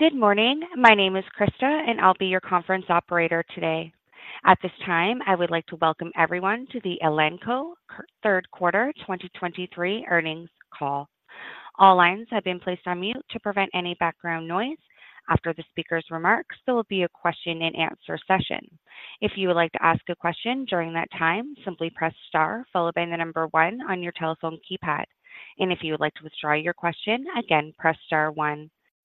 Good morning. My name is Krista, and I'll be your conference operator today. At this time, I would like to welcome everyone to the Elanco Q3 2023 Earnings Call. All lines have been placed on mute to prevent any background noise. After the speaker's remarks, there will be a question-and-answer session. If you would like to ask a question during that time, simply press star, followed by the number one on your telephone keypad. If you would like to withdraw your question, again, press star one.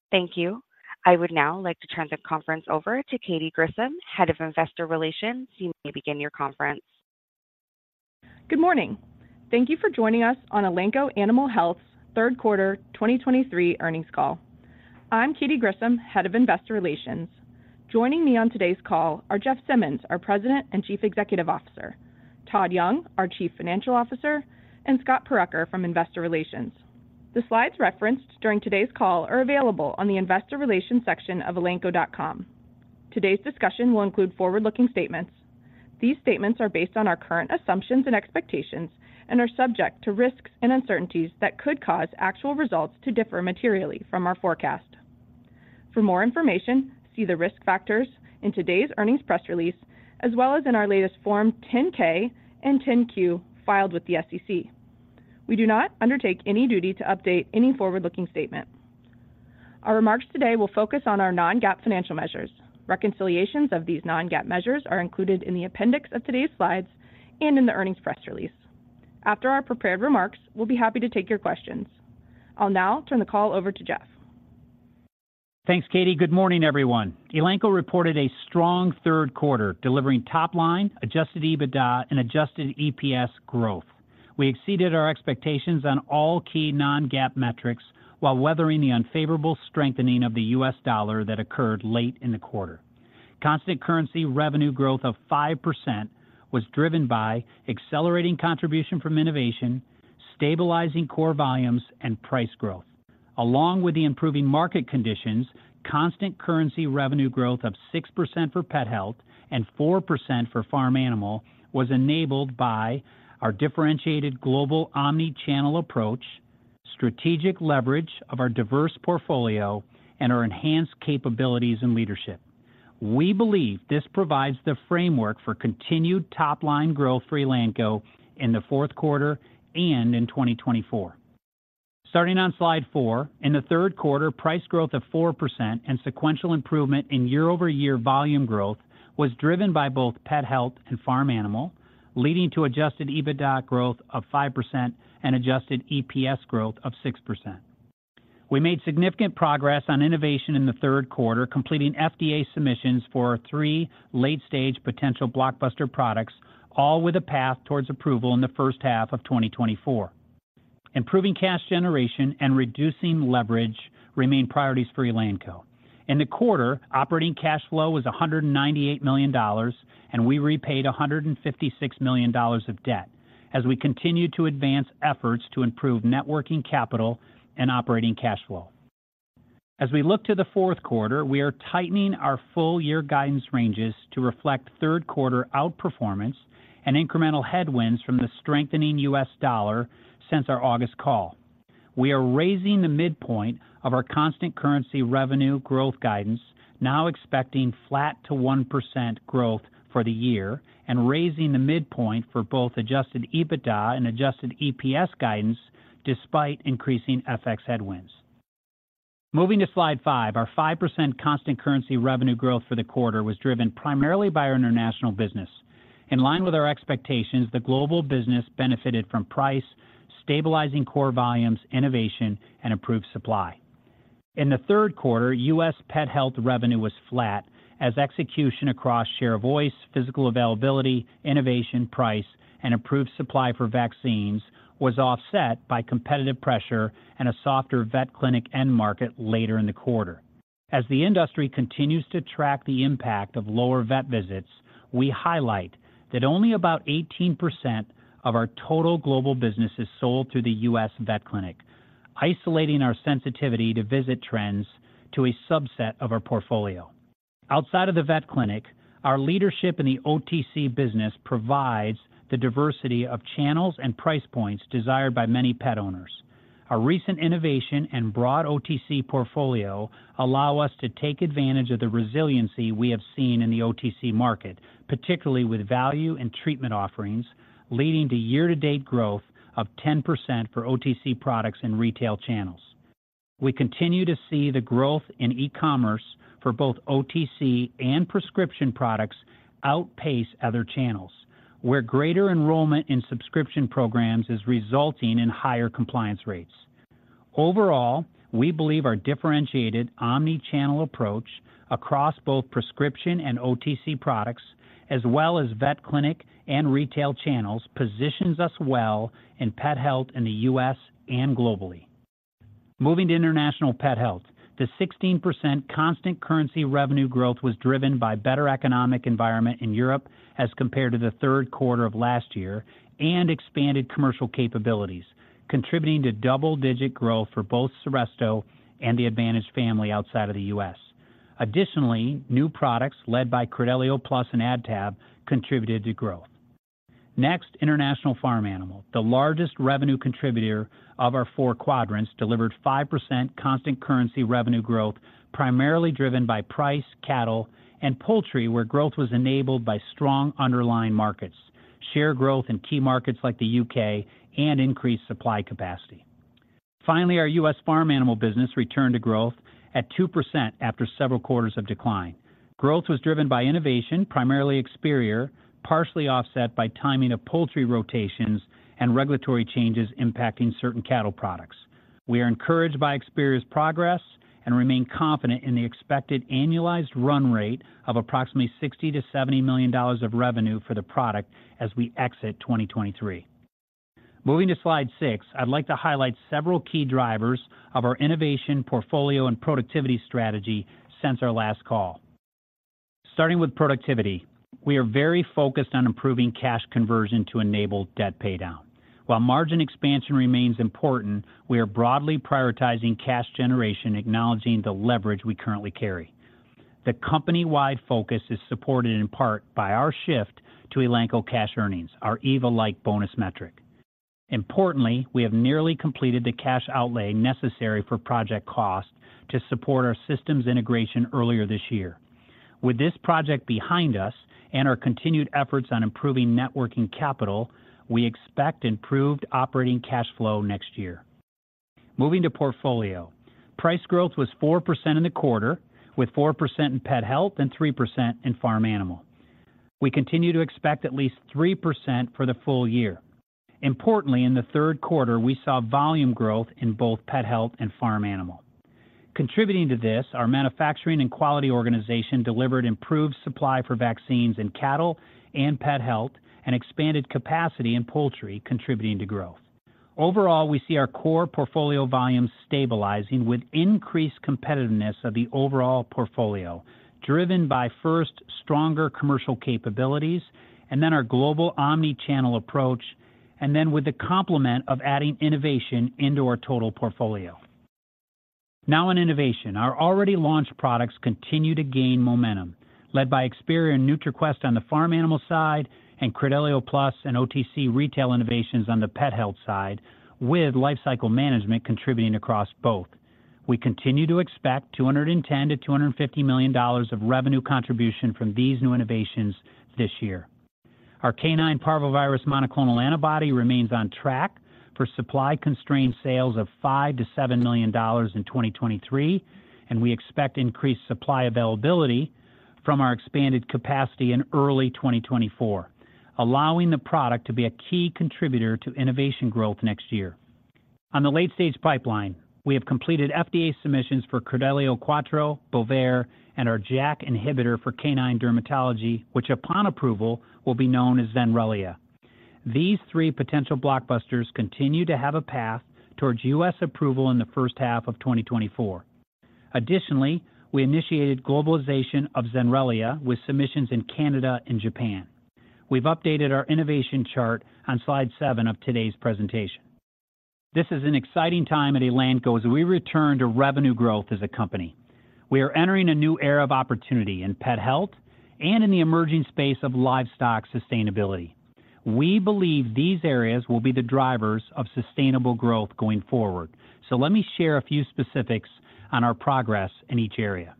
Thank you. I would now like to turn the conference over to Katy Grissom, Head of Investor Relations. You may begin your conference. Good morning. Thank you for joining us on Elanco Animal Health's Q3 2023 earnings call. I'm Katy Grissom, Head of Investor Relations. Joining me on today's call are Jeff Simmons, our President and Chief Executive Officer, Todd Young, our Chief Financial Officer, and Scott Purucker from Investor Relations. The slides referenced during today's call are available on the Investor Relations section of elanco.com. Today's discussion will include forward-looking statements. These statements are based on our current assumptions and expectations and are subject to risks and uncertainties that could cause actual results to differ materially from our forecast. For more information, see the risk factors in today's earnings press release, as well as in our latest Form 10-K and 10-Q filed with the SEC. We do not undertake any duty to update any forward-looking statement. Our remarks today will focus on our non-GAAP financial measures. Reconciliations of these non-GAAP measures are included in the appendix of today's slides and in the earnings press release. After our prepared remarks, we'll be happy to take your questions. I'll now turn the call over to Jeff. Thanks, Katy. Good morning, everyone. Elanco reported a strong Q3, delivering top line Adjusted EBITDA and Adjusted EPS growth. We exceeded our expectations on all key non-GAAP metrics while weathering the unfavorable strengthening of the U.S. dollar that occurred late in the quarter. Constant currency revenue growth of 5% was driven by accelerating contribution from innovation, stabilizing core volumes, and price growth. Along with the improving market conditions, constant currency revenue growth of 6% for pet health and 4% for farm animal was enabled by our differentiated global omnichannel approach, strategic leverage of our diverse portfolio, and our enhanced capabilities and leadership. We believe this provides the framework for continued top-line growth for Elanco in the Q4 and in 2024. Starting on slide four in the Q3, price growth of 4% and sequential improvement in year-over-year volume growth was driven by both pet health and farm animal, leading to Adjusted EBITDA growth of 5% and Adjusted EPS growth of 6%. We made significant progress on innovation in the Q3, completing FDA submissions for 3 late-stage potential blockbuster products, all with a path towards approval in the H1 of 2024. Improving cash generation and reducing leverage remain priorities for Elanco. In the quarter, operating cash flow was $198 million, and we repaid $156 million of debt as we continued to advance efforts to improve net working capital and operating cash flow. As we look to the Q4, we are tightening our full year guidance ranges to reflect Q3 outperformance and incremental headwinds from the strengthening U.S. dollar since our August call. We are raising the midpoint of our constant currency revenue growth guidance, now expecting flat to 1% growth for the year, and raising the midpoint for both Adjusted EBITDA and Adjusted EPS guidance, despite increasing FX headwinds. Moving to slide five. Our 5% constant currency revenue growth for the quarter was driven primarily by our international business. In line with our expectations, the global business benefited from price, stabilizing core volumes, innovation, and improved supply. In the Q3, U.S. pet health revenue was flat as execution across share of voice, physical availability, innovation, price, and improved supply for vaccines was offset by competitive pressure and a softer vet clinic end market later in the quarter. As the industry continues to track the impact of lower vet visits, we highlight that only about 18% of our total global business is sold through the U.S. vet clinic, isolating our sensitivity to visit trends to a subset of our portfolio. Outside of the vet clinic, our leadership in the OTC business provides the diversity of channels and price points desired by many pet owners. Our recent innovation and broad OTC portfolio allow us to take advantage of the resiliency we have seen in the OTC market, particularly with value and treatment offerings, leading to year-to-date growth of 10% for OTC products in retail channels. We continue to see the growth in e-commerce for both OTC and prescription products outpace other channels, where greater enrollment in subscription programs is resulting in higher compliance rates. Overall, we believe our differentiated omnichannel approach across both prescription and OTC products, as well as vet clinic and retail channels, positions us well in pet health in the U.S. and globally. Moving to international pet health. The 16% constant currency revenue growth was driven by better economic environment in Europe as compared to the Q3 of last year and expanded commercial capabilities, contributing to double-digit growth for both Seresto and the Advantage family outside of the U.S. Additionally, new products led by Credelio Plus and AdTab contributed to growth. Next, International Farm Animal, the largest revenue contributor of our four quadrants, delivered 5% constant currency revenue growth, primarily driven by price, cattle, and poultry, where growth was enabled by strong underlying markets, share growth in key markets like the U.K. and increased supply capacity. Finally, our U.S. Farm Animal business returned to growth at 2% after several quarters of decline. Growth was driven by innovation, primarily Experior, partially offset by timing of poultry rotations and regulatory changes impacting certain cattle products. We are encouraged by Experior's progress and remain confident in the expected annualized run rate of approximately $60 million-$70 million of revenue for the product as we exit 2023. Moving to slide six, I'd like to highlight several key drivers of our innovation, portfolio, and productivity strategy since our last call. Starting with productivity, we are very focused on improving cash conversion to enable debt paydown. While margin expansion remains important, we are broadly prioritizing cash generation, acknowledging the leverage we currently carry. The company-wide focus is supported in part by our shift to Elanco Cash Earnings, our EVA-like bonus metric. Importantly, we have nearly completed the cash outlay necessary for project cost to support our systems integration earlier this year. With this project behind us and our continued efforts on improving Net Working Capital, we expect improved operating cash flow next year. Moving to portfolio. Price growth was 4% in the quarter, with 4% in pet health and 3% in farm animal. We continue to expect at least 3% for the full year. Importantly, in the Q3, we saw volume growth in both pet health and farm animal. Contributing to this, our manufacturing and quality organization delivered improved supply for vaccines in cattle and pet health and expanded capacity in poultry, contributing to growth. Overall, we see our core portfolio volumes stabilizing with increased competitiveness of the overall portfolio, driven by, first, stronger commercial capabilities and then our global omnichannel approach, and then with the complement of adding innovation into our total portfolio. Now in innovation, our already launched products continue to gain momentum, led by Experior and NutriQuest on the farm animal side and Credelio Plus and OTC retail innovations on the pet health side, with lifecycle management contributing across both. We continue to expect $210 million-$250 million of revenue contribution from these new innovations this year. Our canine parvovirus monoclonal antibody remains on track for supply-constrained sales of $5 million-$7 million in 2023, and we expect increased supply availability from our expanded capacity in early 2024, allowing the product to be a key contributor to innovation growth next year. On the late-stage pipeline, we have completed FDA submissions for Credelio Quattro, Bovaer, and our JAK inhibitor for canine dermatology, which, upon approval, will be known as Zenrelia. These three potential blockbusters continue to have a path towards U.S. approval in the H1 of 2024. Additionally, we initiated globalization of Zenrelia with submissions in Canada and Japan. We've updated our innovation chart on slide seven of today's presentation. This is an exciting time at Elanco as we return to revenue growth as a company. We are entering a new era of opportunity in pet health and in the emerging space of livestock sustainability. We believe these areas will be the drivers of sustainable growth going forward. So let me share a few specifics on our progress in each area.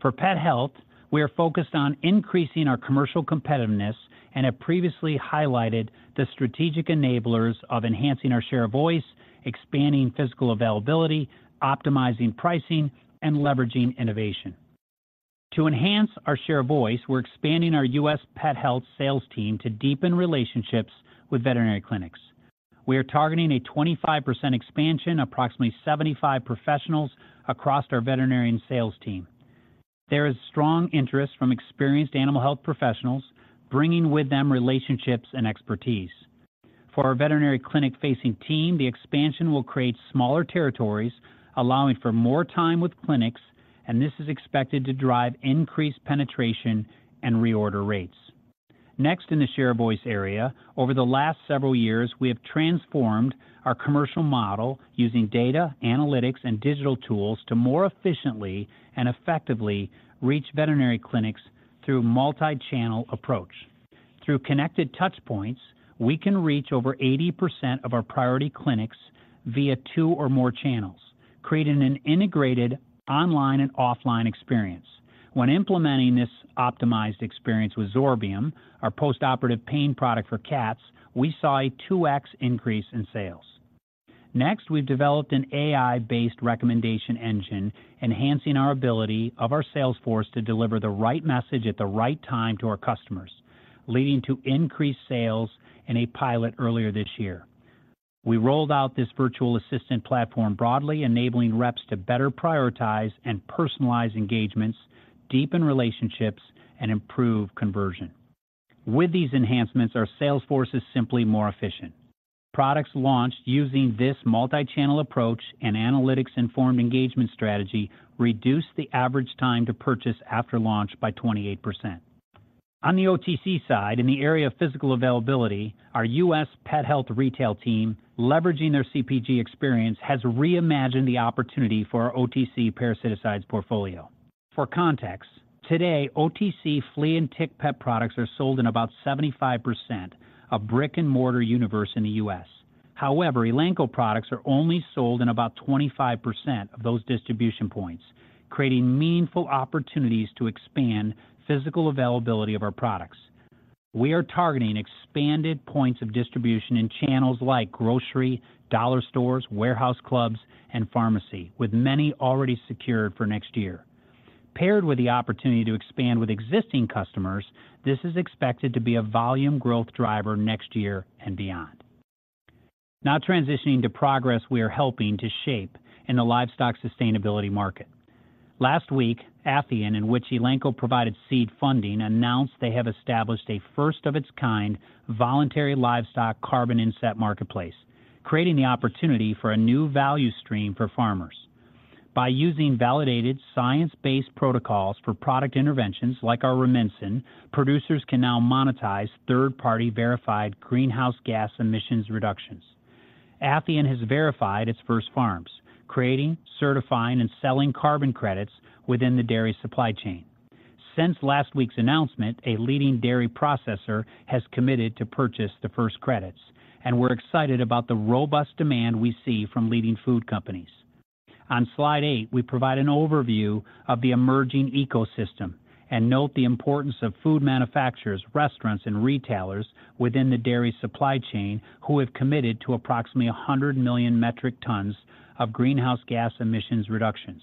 For pet health, we are focused on increasing our commercial competitiveness and have previously highlighted the strategic enablers of enhancing our share of voice, expanding physical availability, optimizing pricing, and leveraging innovation. To enhance our share of voice, we're expanding our U.S. Pet Health sales team to deepen relationships with veterinary clinics. We are targeting a 25% expansion, approximately 75 professionals across our veterinary sales team. There is strong interest from experienced animal health professionals, bringing with them relationships and expertise. For our veterinary clinic-facing team, the expansion will create smaller territories, allowing for more time with clinics, and this is expected to drive increased penetration and reorder rates. Next, in the share-of-voice area, over the last several years, we have transformed our commercial model using data, analytics, and digital tools to more efficiently and effectively reach veterinary clinics through multi-channel approach. Through connected touchpoints, we can reach over 80% of our priority clinics via two or more channels, creating an integrated online and offline experience. When implementing this optimized experience with Zorbium, our postoperative pain product for cats, we saw a 2x increase in sales. Next, we've developed an AI-based recommendation engine, enhancing our ability of our sales force to deliver the right message at the right time to our customers, leading to increased sales in a pilot earlier this year. We rolled out this virtual assistant platform broadly, enabling reps to better prioritize and personalize engagements, deepen relationships, and improve conversion. With these enhancements, our sales force is simply more efficient. Products launched using this multi-channel approach and analytics-informed engagement strategy reduced the average time to purchase after launch by 28%. On the OTC side, in the area of physical availability, our U.S. Pet Health retail team, leveraging their CPG experience, has reimagined the opportunity for our OTC parasiticides portfolio. For context, today, OTC flea and tick pet products are sold in about 75% of brick-and-mortar universe in the U.S. However, Elanco products are only sold in about 25% of those distribution points, creating meaningful opportunities to expand physical availability of our products. We are targeting expanded points of distribution in channels like grocery, dollar stores, warehouse clubs, and pharmacy, with many already secured for next year. Paired with the opportunity to expand with existing customers, this is expected to be a volume growth driver next year and beyond. Now transitioning to progress we are helping to shape in the livestock sustainability market. Last week, Athian, in which Elanco provided seed funding, announced they have established a first-of-its-kind voluntary livestock carbon inset marketplace, creating the opportunity for a new value stream for farmers. By using validated, science-based protocols for product interventions like our Rumensin, producers can now monetize third-party verified greenhouse gas emissions reductions. Athian has verified its first farms, creating, certifying, and selling carbon credits within the dairy supply chain. Since last week's announcement, a leading dairy processor has committed to purchase the first credits, and we're excited about the robust demand we see from leading food companies. On slide 8, we provide an overview of the emerging ecosystem and note the importance of food manufacturers, restaurants, and retailers within the dairy supply chain, who have committed to approximately 100 million metric tons of greenhouse gas emissions reductions.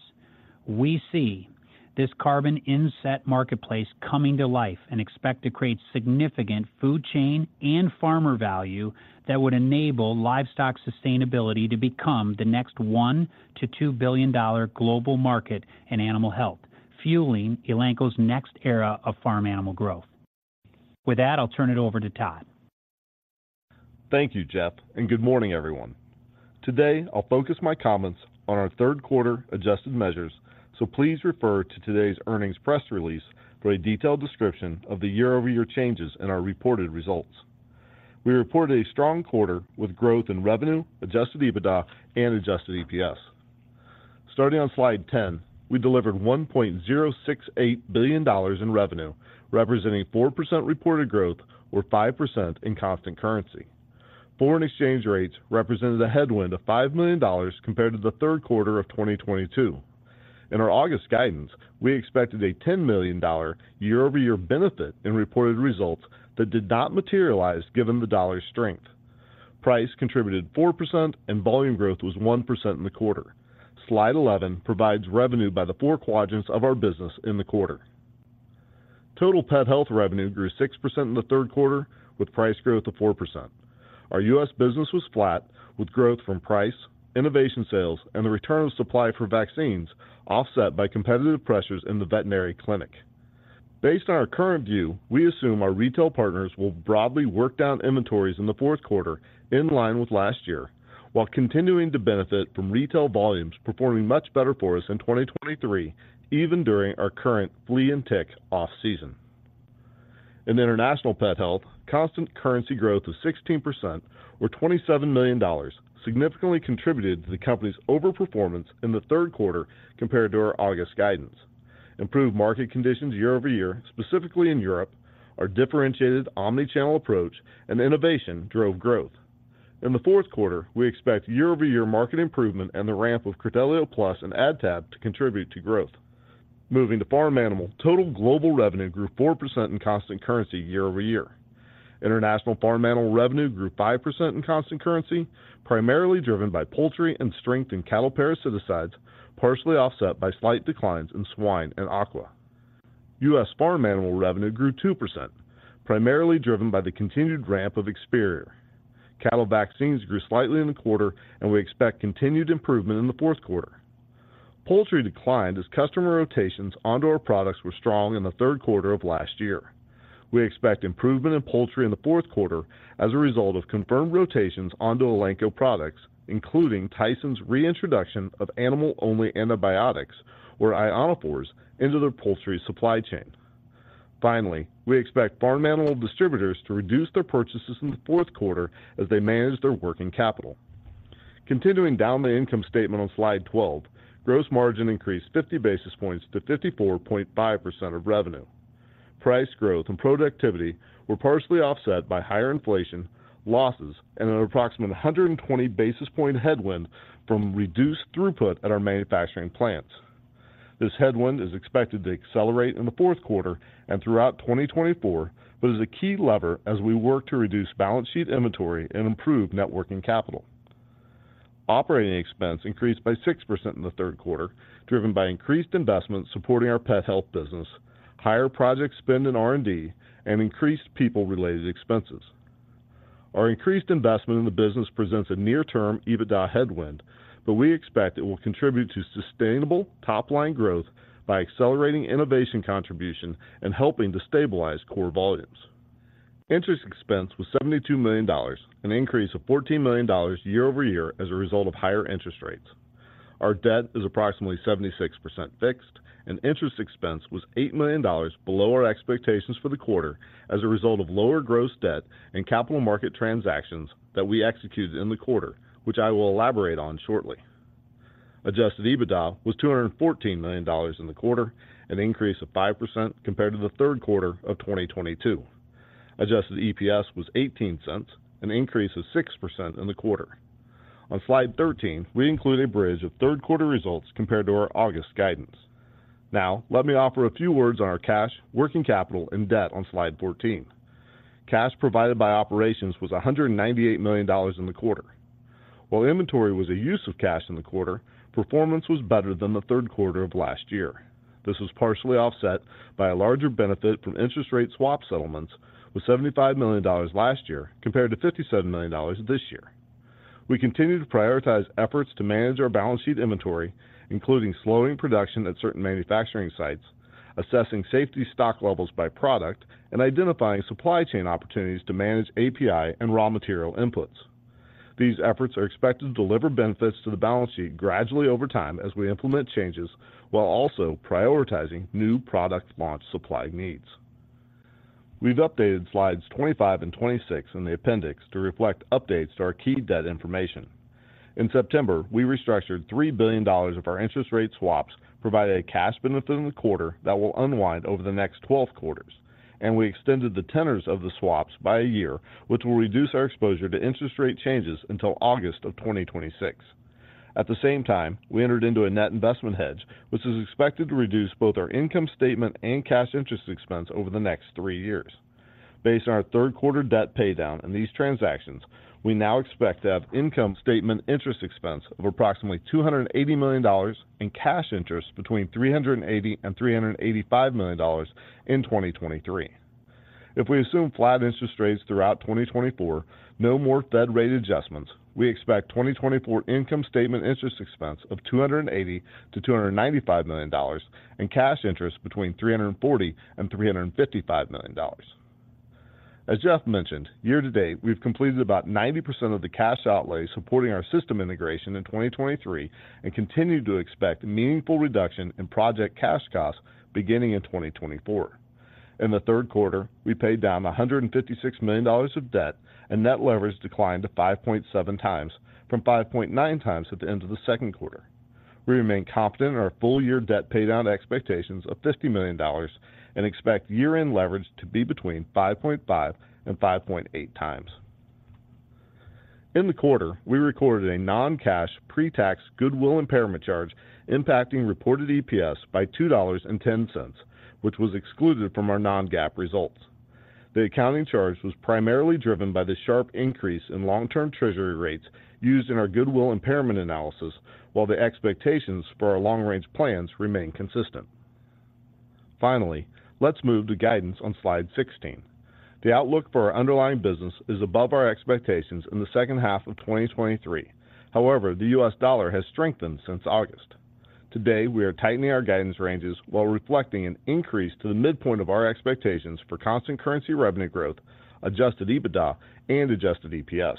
We see this carbon inset marketplace coming to life and expect to create significant food chain and farmer value that would enable livestock sustainability to become the next $1 billion-$2 billion global market in animal health, fueling Elanco's next era of farm animal growth. With that, I'll turn it over to Todd. Thank you, Jeff, and good morning, everyone. Today, I'll focus my comments on our Q3 adjusted measures, so please refer to today's earnings press release for a detailed description of the year-over-year changes in our reported results. We reported a strong quarter with growth in revenue, Adjusted EBITDA, and Adjusted EPS. Starting on slide 10, we delivered $1.068 billion in revenue, representing 4% reported growth or 5% in constant currency. Foreign exchange rates represented a headwind of $5 million compared to the Q3 of 2022. In our August guidance, we expected a $10 million year-over-year benefit in reported results that did not materialize given the dollar's strength. Price contributed 4% and volume growth was 1% in the quarter. Slide 11 provides revenue by the four quadrants of our business in the quarter. Total Pet Health revenue grew 6% in the Q3, with price growth of 4%. Our U.S. business was flat, with growth from price, innovation sales, and the return of supply for vaccines, offset by competitive pressures in the veterinary clinic. Based on our current view, we assume our retail partners will broadly work down inventories in the Q4 in line with last year, while continuing to benefit from retail volumes performing much better for us in 2023, even during our current flea and tick off-season. In International Pet Health, constant currency growth of 16% or $27 million significantly contributed to the company's overperformance in the Q3 compared to our August guidance. Improved market conditions year-over-year, specifically in Europe, our differentiated omnichannel approach and innovation drove growth. In the Q4, we expect year-over-year market improvement and the ramp of Credelio Plus and AdTab to contribute to growth. Moving to Farm Animal, total global revenue grew 4% in constant currency year-over-year. International Farm Animal revenue grew 5% in constant currency, primarily driven by poultry and strength in cattle parasiticides, partially offset by slight declines in swine and aqua. U.S. Farm Animal revenue grew 2%, primarily driven by the continued ramp of Experior. Cattle vaccines grew slightly in the quarter, and we expect continued improvement in the Q4. Poultry declined as customer rotations onto our products were strong in the Q3 of last year. We expect improvement in poultry in the Q4 as a result of confirmed rotations onto Elanco products, including Tyson's reintroduction of animal-only antibiotics or ionophores into their poultry supply chain. Finally, we expect farm animal distributors to reduce their purchases in the Q4 as they manage their working capital. Continuing down the income statement on slide 12, gross margin increased 50 basis points to 54.5% of revenue. Price growth and productivity were partially offset by higher inflation, losses, and an approximate 120 basis point headwind from reduced throughput at our manufacturing plants. This headwind is expected to accelerate in the Q4 and throughout 2024, but is a key lever as we work to reduce balance sheet inventory and improve net working capital. Operating expense increased by 6% in the Q3, driven by increased investment supporting our pet health business, higher project spend in R&D, and increased people-related expenses. Our increased investment in the business presents a near-term EBITDA headwind, but we expect it will contribute to sustainable top-line growth by accelerating innovation contribution and helping to stabilize core volumes. Interest expense was $72 million, an increase of $14 million year-over-year as a result of higher interest rates. Our debt is approximately 76% fixed, and interest expense was $8 million below our expectations for the quarter as a result of lower gross debt and capital market transactions that we executed in the quarter, which I will elaborate on shortly. Adjusted EBITDA was $214 million in the quarter, an increase of 5% compared to the Q3 of 2022. Adjusted EPS was $0.18, an increase of 6% in the quarter. On slide 13, we include a bridge of Q3 results compared to our August guidance. Now, let me offer a few words on our cash, working capital, and debt on slide 14. Cash provided by operations was $198 million in the quarter. While inventory was a use of cash in the quarter, performance was better than the Q3 of last year. This was partially offset by a larger benefit from interest rate swap settlements, with $75 million last year compared to $57 million this year. We continue to prioritize efforts to manage our balance sheet inventory, including slowing production at certain manufacturing sites, assessing safety stock levels by product, and identifying supply chain opportunities to manage API and raw material inputs. These efforts are expected to deliver benefits to the balance sheet gradually over time as we implement changes, while also prioritizing new product launch supply needs. We've updated slides 25 and 26 in the appendix to reflect updates to our key debt information. In September, we restructured $3 billion of our interest rate swaps, providing a cash benefit in the quarter that will unwind over the next 12 quarters, and we extended the tenors of the swaps by a year, which will reduce our exposure to interest rate changes until August of 2026. At the same time, we entered into a net investment hedge, which is expected to reduce both our income statement and cash interest expense over the next three years. Based on our Q3 debt paydown and these transactions, we now expect to have income statement interest expense of approximately $280 million and cash interest between $380 million and $385 million in 2023. If we assume flat interest rates throughout 2024, no more Fed rate adjustments, we expect 2024 income statement interest expense of $280 million-$295 million and cash interest between $340 million and $355 million. As Jeff mentioned, year to date, we've completed about 90% of the cash outlay supporting our system integration in 2023 and continue to expect meaningful reduction in project cash costs beginning in 2024. In the Q3, we paid down $156 million of debt, and net leverage declined to 5.7x from 5.9x at the end of the Q2. We remain confident in our full year debt paydown expectations of $50 million and expect year-end leverage to be between 5.5x and 5.8x. In the quarter, we recorded a non-cash pre-tax goodwill impairment charge, impacting reported EPS by $2.10, which was excluded from our non-GAAP results. The accounting charge was primarily driven by the sharp increase in long-term treasury rates used in our goodwill impairment analysis, while the expectations for our long-range plans remain consistent. Finally, let's move to guidance on slide 16. The outlook for our underlying business is above our expectations in the H2 of 2023. However, the U.S. dollar has strengthened since August. Today, we are tightening our guidance ranges while reflecting an increase to the midpoint of our expectations for constant currency revenue growth, adjusted EBITDA, and adjusted EPS.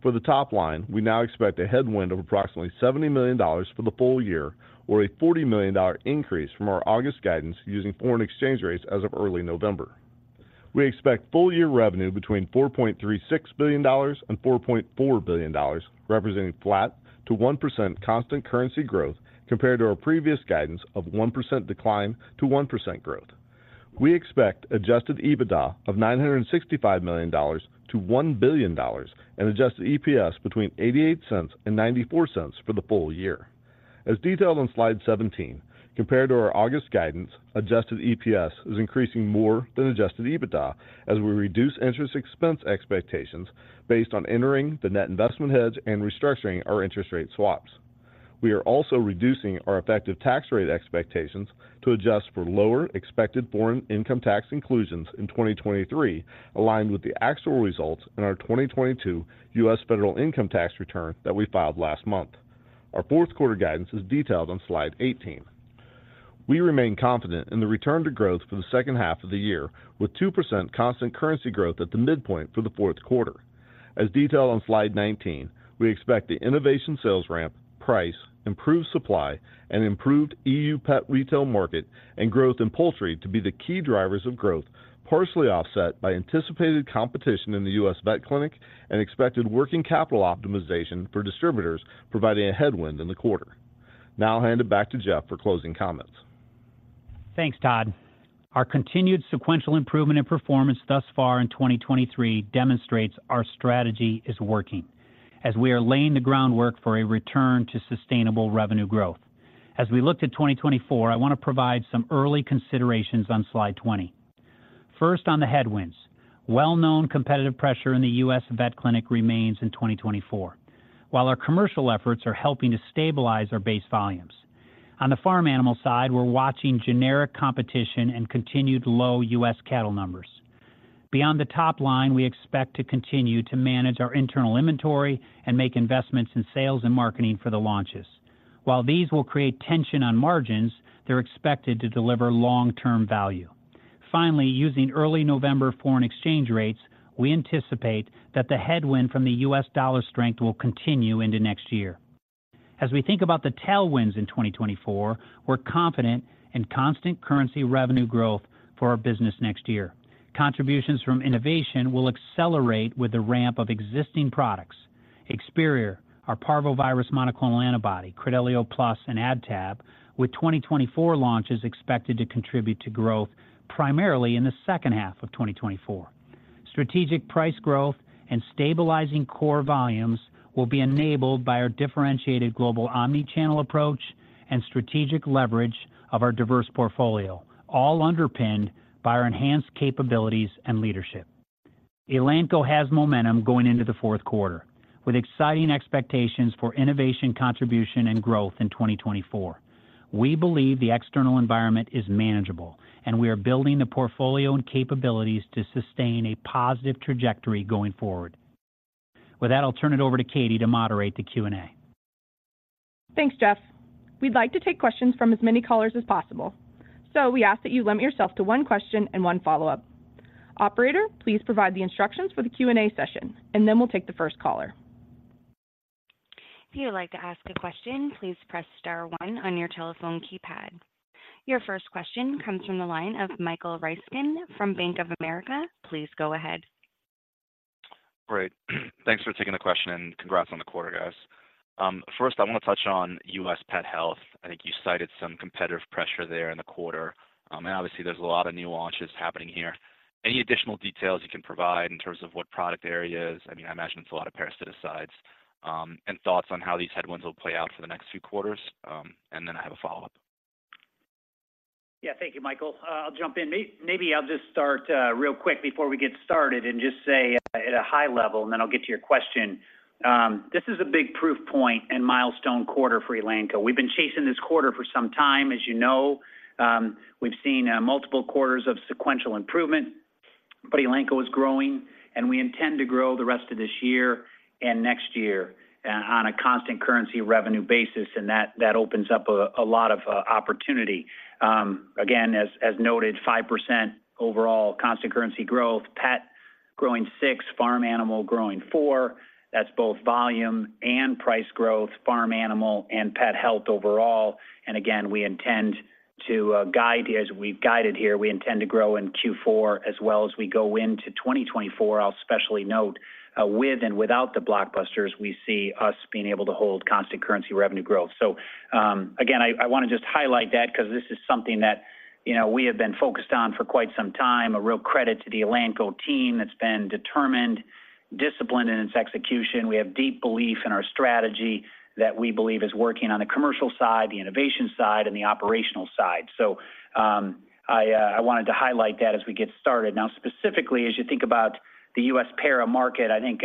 For the top line, we now expect a headwind of approximately $70 million for the full year, or a $40 million increase from our August guidance using foreign exchange rates as of early November. We expect full-year revenue between $4.36 billion and $4.4 billion, representing flat to 1% constant currency growth compared to our previous guidance of 1% decline to 1% growth. We expect adjusted EBITDA of $965 million-$1 billion and adjusted EPS between $0.88 and $0.94 for the full year. As detailed on slide 17, compared to our August guidance, adjusted EPS is increasing more than adjusted EBITDA as we reduce interest expense expectations based on entering the net investment hedge and restructuring our interest rate swaps. We are also reducing our effective tax rate expectations to adjust for lower expected foreign income tax inclusions in 2023, aligned with the actual results in our 2022 U.S. federal income tax return that we filed last month. Our Q4 guidance is detailed on slide 18. We remain confident in the return to growth for the H2 of the year, with 2% constant currency growth at the midpoint for the Q4. As detailed on slide 19, we expect the innovation sales ramp, price, improved supply, and improved E.U. pet retail market and growth in poultry to be the key drivers of growth, partially offset by anticipated competition in the U.S. vet clinic and expected working capital optimization for distributors, providing a headwind in the quarter. Now I'll hand it back to Jeff for closing comments. Thanks, Todd. Our continued sequential improvement in performance thus far in 2023 demonstrates our strategy is working as we are laying the groundwork for a return to sustainable revenue growth. As we look to 2024, I want to provide some early considerations on slide 20. First, on the headwinds. Well-known competitive pressure in the U.S. vet clinic remains in 2024, while our commercial efforts are helping to stabilize our base volumes. On the farm animal side, we're watching generic competition and continued low U.S. cattle numbers. Beyond the top line, we expect to continue to manage our internal inventory and make investments in sales and marketing for the launches. While these will create tension on margins, they're expected to deliver long-term value. Finally, using early November foreign exchange rates, we anticipate that the headwind from the U.S. dollar strength will continue into next year. As we think about the tailwinds in 2024, we're confident in constant currency revenue growth for our business next year. Contributions from innovation will accelerate with the ramp of existing products. Experior, our parvovirus monoclonal antibody, Credelio Plus and AdTab, with 2024 launches expected to contribute to growth primarily in the H2 of 2024. Strategic price growth and stabilizing core volumes will be enabled by our differentiated global omnichannel approach and strategic leverage of our diverse portfolio, all underpinned by our enhanced capabilities and leadership. Elanco has momentum going into the Q4, with exciting expectations for innovation, contribution, and growth in 2024. We believe the external environment is manageable, and we are building the portfolio and capabilities to sustain a positive trajectory going forward. With that, I'll turn it over to Katie to moderate the Q&A. Thanks, Jeff. We'd like to take questions from as many callers as possible, so we ask that you limit yourself to one question and one follow-up. Operator, please provide the instructions for the Q&A session, and then we'll take the first caller. If you would like to ask a question, please press star one on your telephone keypad. Your first question comes from the line of Michael Ryskin from Bank of America. Please go ahead. Great. Thanks for taking the question, and congrats on the quarter, guys. First, I want to touch on U.S. pet health. I think you cited some competitive pressure there in the quarter. And obviously, there's a lot of new launches happening here. Any additional details you can provide in terms of what product areas? I mean, I imagine it's a lot of parasiticides, and thoughts on how these headwinds will play out for the next few quarters, and then I have a follow-up. Yeah. Thank you, Michael. I'll jump in. Maybe I'll just start real quick before we get started and just say at a high level, and then I'll get to your question. This is a big proof point and milestone quarter for Elanco. We've been chasing this quarter for some time. As you know, we've seen multiple quarters of sequential improvement, but Elanco is growing, and we intend to grow the rest of this year and next year on a constant currency revenue basis, and that opens up a lot of opportunity. Again, as noted, 5% overall constant currency growth, pet growing 6%, farm animal growing 4%. That's both volume and price growth, farm animal and pet health overall. And again, we intend to guide here, as we've guided here, we intend to grow in Q4 as well as we go into 2024. I'll especially note, with and without the blockbusters, we see us being able to hold constant currency revenue growth. So, again, I want to just highlight that because this is something that, you know, we have been focused on for quite some time, a real credit to the Elanco team that's been determined, disciplined in its execution. We have deep belief in our strategy that we believe is working on the commercial side, the innovation side, and the operational side. So, I wanted to highlight that as we get started. Now, specifically, as you think about the U.S. para market, I think,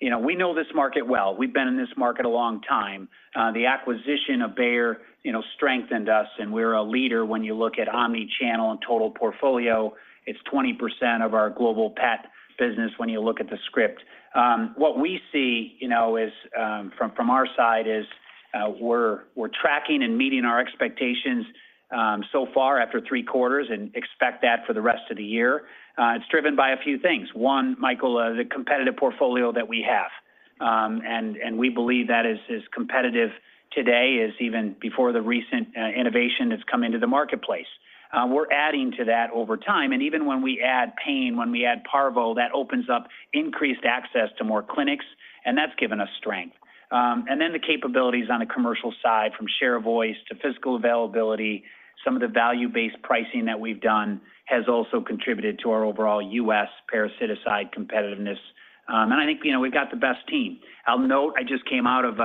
you know, we know this market well. We've been in this market a long time. The acquisition of Bayer, you know, strengthened us, and we're a leader when you look at omnichannel and total portfolio. It's 20% of our global pet business when you look at the script. What we see, you know, is from our side, we're tracking and meeting our expectations so far after three quarters and expect that for the rest of the year. It's driven by a few things. One, Michael, the competitive portfolio that we have, and we believe that is competitive today as even before the recent innovation has come into the marketplace. We're adding to that over time, and even when we add pain, when we add parvo, that opens up increased access to more clinics, and that's given us strength. And then the capabilities on the commercial side, from share of voice to physical availability, some of the value-based pricing that we've done has also contributed to our overall U.S. parasiticide competitiveness. And I think, you know, we've got the best team. I'll note, I just came out of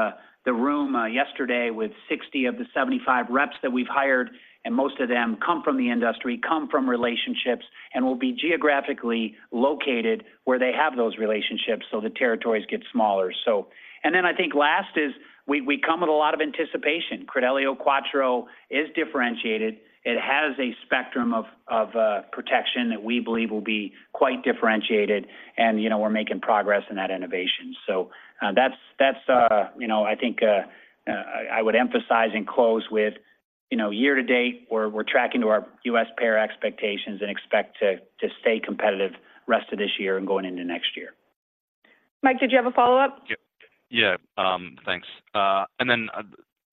the room yesterday with 60 of the 75 reps that we've hired, and most of them come from the industry, come from relationships, and will be geographically located where they have those relationships, so the territories get smaller. So, and then I think last is we come with a lot of anticipation. Credelio Quattro is differentiated. It has a spectrum of protection that we believe will be quite differentiated, and, you know, we're making progress in that innovation. That's, you know, I think I would emphasize and close with, you know, year to date, we're tracking to our U.S. para expectations and expect to stay competitive rest of this year and going into next year. Mike, did you have a follow-up? Yeah, thanks. And then,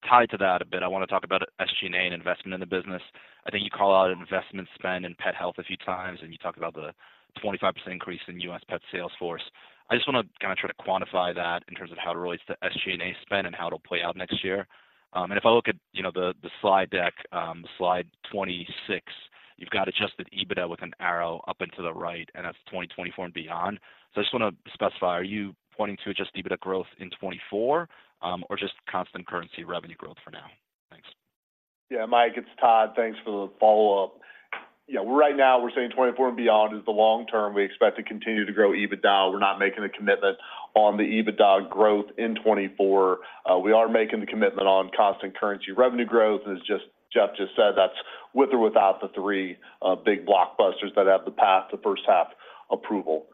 tied to that a bit, I want to talk about SG&A and investment in the business. I think you call out investment spend in pet health a few times, and you talked about the 25% increase in U.S. pet sales force. I just want to kind of try to quantify that in terms of how it relates to SG&A spend and how it'll play out next year. And if I look at, you know, the slide deck, slide 26, you've got adjusted EBITDA with an arrow up into the right, and that's 2024 and beyond. So I just want to specify, are you pointing to just EBITDA growth in 2024, or just constant currency revenue growth for now? Thanks. Yeah, Mike, it's Todd. Thanks for the follow-up. Yeah, right now, we're saying 2024 and beyond is the long term. We expect to continue to grow EBITDA. We're not making a commitment on the EBITDA growth in 2024. We are making the commitment on constant currency revenue growth, as just- Jeff just said, that's with or without the three big blockbusters that have the path to H1 approval.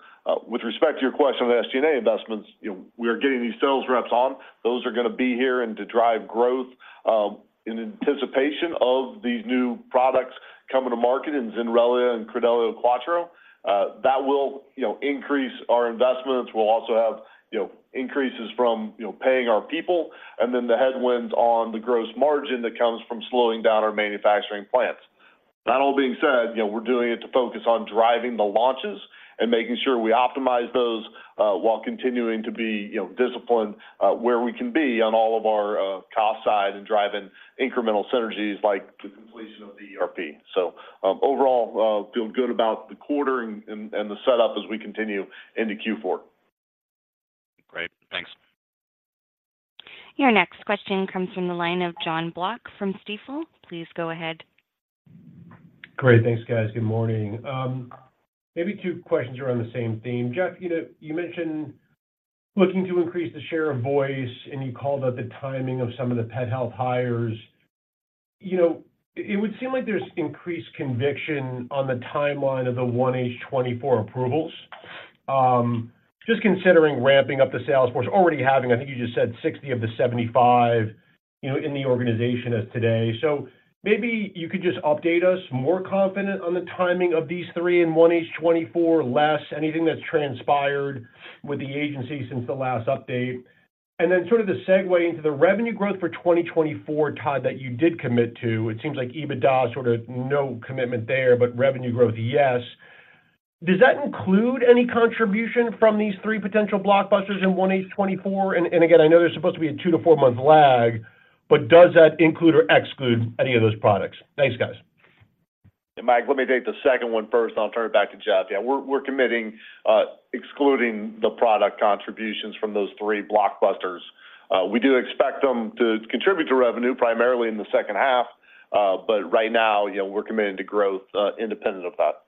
With respect to your question on the SG&A investments, you know, we are getting these sales reps on. Those are going to be here and to drive growth, in anticipation of these new products coming to market in Zenrelia and Credelio Quattro. That will, you know, increase our investments. We'll also have, you know, increases from, you know, paying our people, and then the headwinds on the gross margin that comes from slowing down our manufacturing plants. That all being said, you know, we're doing it to focus on driving the launches and making sure we optimize those while continuing to be, you know, disciplined where we can be on all of our cost side and driving incremental synergies like the completion of the ERP. So, overall, feel good about the quarter and the setup as we continue into Q4. Great, thanks. Your next question comes from the line of Jon Block from Stifel. Please go ahead. Great, thanks, guys. Good morning. Maybe two questions around the same theme. Jeff, you know, you mentioned looking to increase the share of voice, and you called out the timing of some of the pet health hires. You know, it would seem like there's increased conviction on the timeline of the 1H 2024 approvals. Just considering ramping up the sales force, already having, I think you just said 60 of the 75, you know, in the organization as today. So maybe you could just update us, more confident on the timing of these Q3 and H1 2024, less, anything that's transpired with the agency since the last update? And then sort of the segue into the revenue growth for 2024, Todd, that you did commit to, it seems like EBITDA sort of no commitment there, but revenue growth, yes. Does that include any contribution from these three potential blockbusters in 2024? And again, I know there's supposed to be a two to four-month lag, but does that include or exclude any of those products? Thanks, guys. Hey, Mike, let me take the second one first. I'll turn it back to Jeff. Yeah, we're committing, excluding the product contributions from those three blockbusters. We do expect them to contribute to revenue, primarily in the H2, but right now, you know, we're committed to growth, independent of that.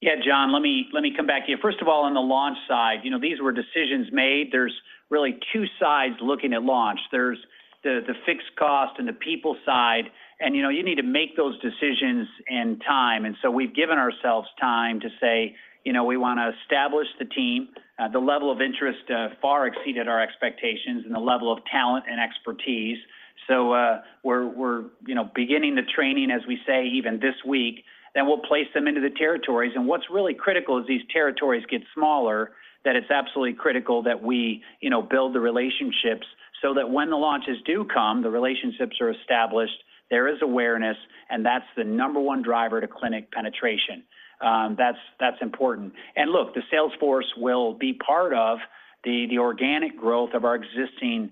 Yeah, Jon, let me come back to you. First of all, on the launch side, you know, these were decisions made. There's really two sides looking at launch. There's the fixed cost and the people side, and, you know, you need to make those decisions in time. And so we've given ourselves time to say, you know, we wanna establish the team. The level of interest far exceeded our expectations and the level of talent and expertise. So, we're, you know, beginning the training, as we say, even this week, then we'll place them into the territories. And what's really critical is these territories get smaller, that it's absolutely critical that we, you know, build the relationships so that when the launches do come, the relationships are established, there is awareness, and that's the number one driver to clinic penetration. That's, that's important. And look, the sales force will be part of the, the organic growth of our existing,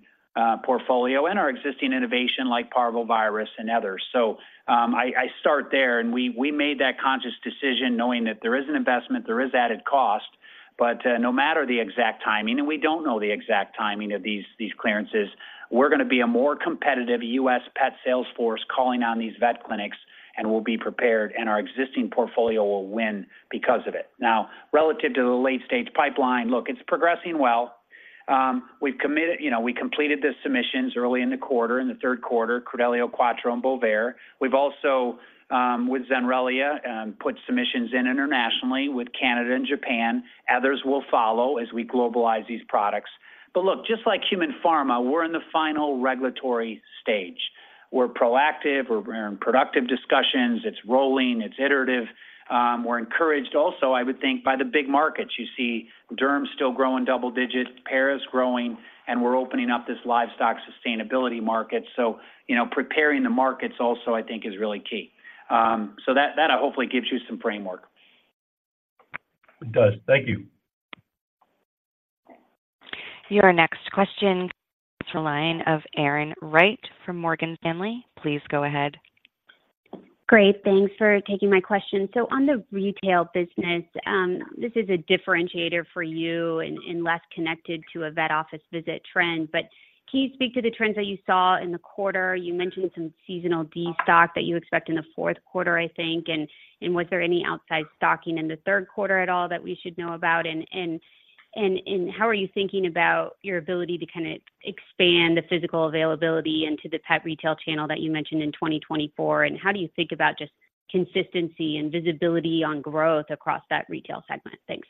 portfolio and our existing innovation like parvovirus and others. So I start there, and we, we made that conscious decision knowing that there is an investment, there is added cost, but, no matter the exact timing, and we don't know the exact timing of these, these clearances, we're gonna be a more competitive U.S. pet sales force calling on these vet clinics, and we'll be prepared, and our existing portfolio will win because of it. Now, relative to the late-stage pipeline, look, it's progressing well. We've committed you know, we completed the submissions early in the quarter, in the Q3, Credelio Quattro, and Bovaer. We've also, with Zenrelia, put submissions in internationally with Canada and Japan. Others will follow as we globalize these products. But look, just like human pharma, we're in the final regulatory stage. We're proactive, we're in productive discussions, it's rolling, it's iterative. We're encouraged also, I would think, by the big markets. You see derm still growing double digits, para is growing, and we're opening up this livestock sustainability market. So, you know, preparing the markets also, I think, is really key. So that hopefully gives you some framework. It does. Thank you. Your next question comes from the line of Erin Wright from Morgan Stanley. Please go ahead. Great. Thanks for taking my question. So on the retail business, this is a differentiator for you and less connected to a vet office visit trend, but can you speak to the trends that you saw in the quarter? You mentioned some seasonal destock that you expect in the Q4, I think, and how are you thinking about your ability to kind of expand the physical availability into the pet retail channel that you mentioned in 2024? And how do you think about just consistency and visibility on growth across that retail segment? Thanks.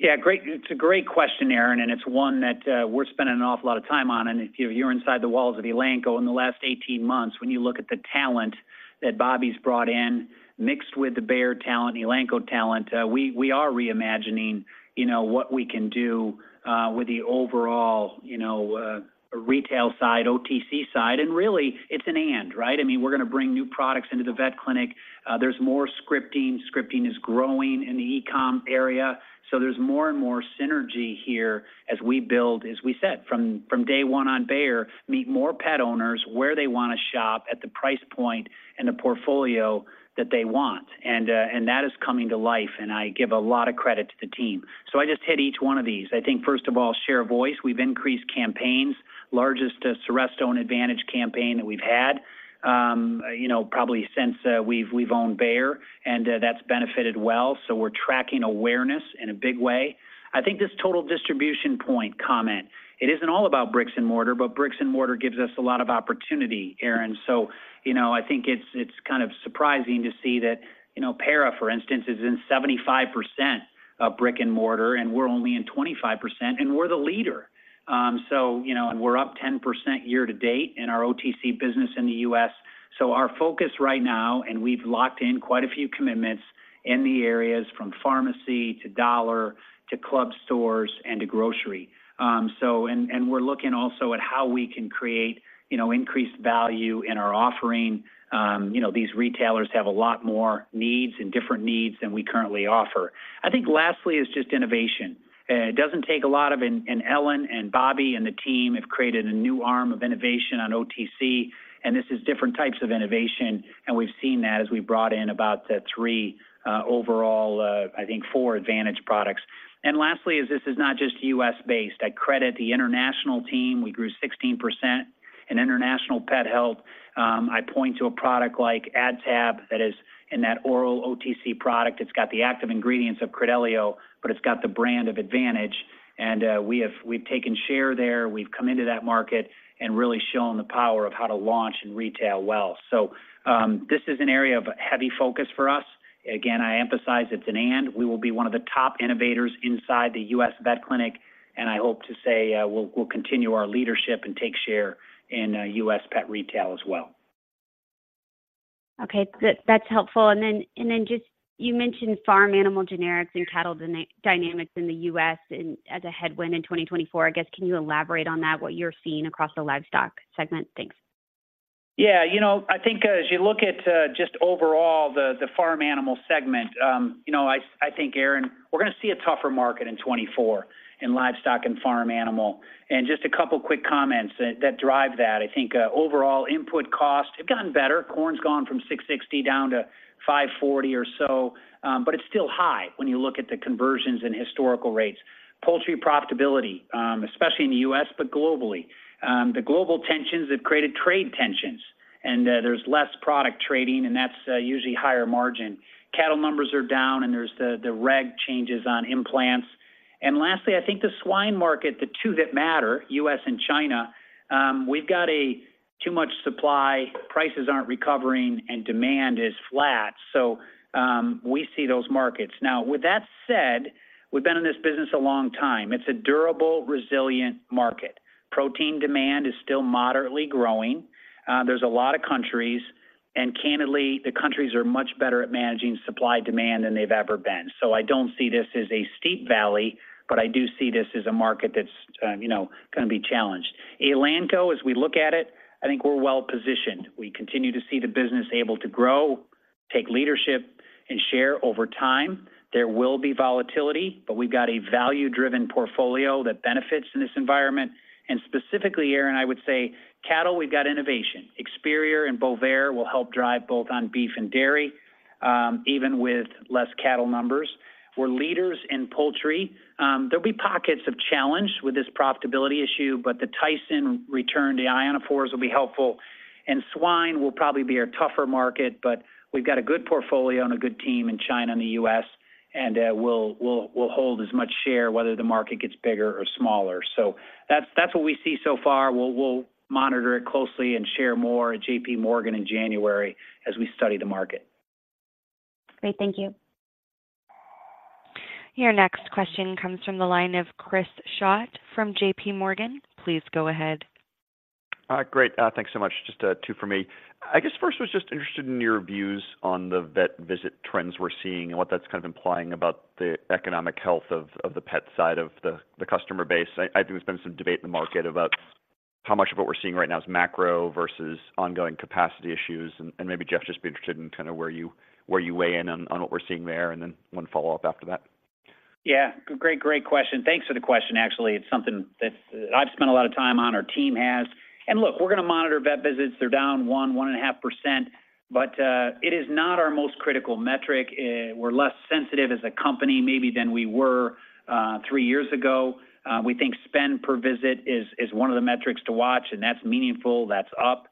Yeah, great. It's a great question, Erin, and it's one that we're spending an awful lot of time on. And if you're inside the walls of Elanco in the last 18 months, when you look at the talent that Bobby's brought in, mixed with the Bayer talent, Elanco talent, we, we are reimagining, you know, what we can do with the overall, you know, retail side, OTC side, and really, it's an and, right? I mean, we're gonna bring new products into the vet clinic. There's more scripting. Scripting is growing in the e-com area, so there's more and more synergy here as we build, as we said, from, from day one on Bayer, meet more pet owners where they wanna shop at the price point and the portfolio that they want. And that is coming to life, and I give a lot of credit to the team. So I just hit each one of these. I think, first of all, share voice. We've increased campaigns, largest Seresto and Advantage campaign that we've had, you know, probably since we've owned Bayer, and that's benefited well. So we're tracking awareness in a big way. I think this total distribution point comment, it isn't all about bricks and mortar, but bricks and mortar gives us a lot of opportunity, Erin. So, you know, I think it's kind of surprising to see that, you know, Para, for instance, is in 75% of brick and mortar, and we're only in 25%, and we're the leader. So, you know, we're up 10% year to date in our OTC business in the U.S. So our focus right now, and we've locked in quite a few commitments in the areas from pharmacy to dollar, to club stores, and to grocery. And we're looking also at how we can create, you know, increased value in our offering. You know, these retailers have a lot more needs and different needs than we currently offer. I think lastly is just innovation. It doesn't take a lot, and Ellen and Bobby and the team have created a new arm of innovation on OTC, and this is different types of innovation, and we've seen that as we brought in about three overall, I think four Advantage products. And lastly, this is not just U.S.-based. I credit the international team. We grew 16% in international pet health. I point to a product like AdTab that is in that oral OTC product. It's got the active ingredients of Credelio, but it's got the brand of Advantage, and we've taken share there. We've come into that market and really shown the power of how to launch in retail well. So, this is an area of heavy focus for us. Again, I emphasize it's an and. We will be one of the top innovators inside the U.S. vet clinic, and I hope to say, we'll continue our leadership and take share in U.S. pet retail as well. Okay, that's helpful. And then just you mentioned farm animal generics and cattle dynamics in the U.S. and as a headwind in 2024, I guess, can you elaborate on that, what you're seeing across the livestock segment? Thanks. Yeah. You know, I think as you look at just overall the farm animal segment, you know, I think, Erin, we're going to see a tougher market in 2024 in livestock and farm animal. And just a couple quick comments that drive that. I think overall input costs have gotten better. Corn's gone from $6.60 down to $5.40 or so, but it's still high when you look at the conversions and historical rates. Poultry profitability, especially in the U.S., but globally. The global tensions have created trade tensions, and there's less product trading, and that's usually higher margin. Cattle numbers are down, and there's the reg changes on implants. Lastly, I think the swine market, the two that matter, U.S. and China, we've got a too much supply, prices aren't recovering, and demand is flat. So, we see those markets. Now, with that said, we've been in this business a long time. It's a durable, resilient market. Protein demand is still moderately growing. There's a lot of countries, and candidly, the countries are much better at managing supply-demand than they've ever been. So I don't see this as a steep valley, but I do see this as a market that's, you know, going to be challenged. Elanco, as we look at it, I think we're well-positioned. We continue to see the business able to grow, take leadership and share over time. There will be volatility, but we've got a value-driven portfolio that benefits in this environment. And specifically, Erin, I would say cattle, we've got innovation. Experior and Bovaer will help drive both on beef and dairy, even with less cattle numbers. We're leaders in poultry. There'll be pockets of challenge with this profitability issue, but the Tyson return, the ionophores, will be helpful. And swine will probably be a tougher market, but we've got a good portfolio and a good team in China and the U.S., and we'll hold as much share whether the market gets bigger or smaller. So that's what we see so far. We'll monitor it closely and share more at JPMorgan in January as we study the market. Great. Thank you. Your next question comes from the line of Chris Schott from JPMorgan. Please go ahead. Great. Thanks so much. Just two for me. I guess first, was just interested in your views on the vet visit trends we're seeing and what that's kind of implying about the economic health of the pet side of the customer base. I think there's been some debate in the market about how much of what we're seeing right now is macro versus ongoing capacity issues. And maybe, Jeff, just be interested in kind of where you weigh in on what we're seeing there, and then one follow-up after that. Yeah. Great, great question. Thanks for the question, actually. It's something that I've spent a lot of time on, our team has. And look, we're going to monitor vet visits. They're down 1-1.5%, but it is not our most critical metric. We're less sensitive as a company maybe than we were three years ago. We think spend per visit is one of the metrics to watch, and that's meaningful, that's up.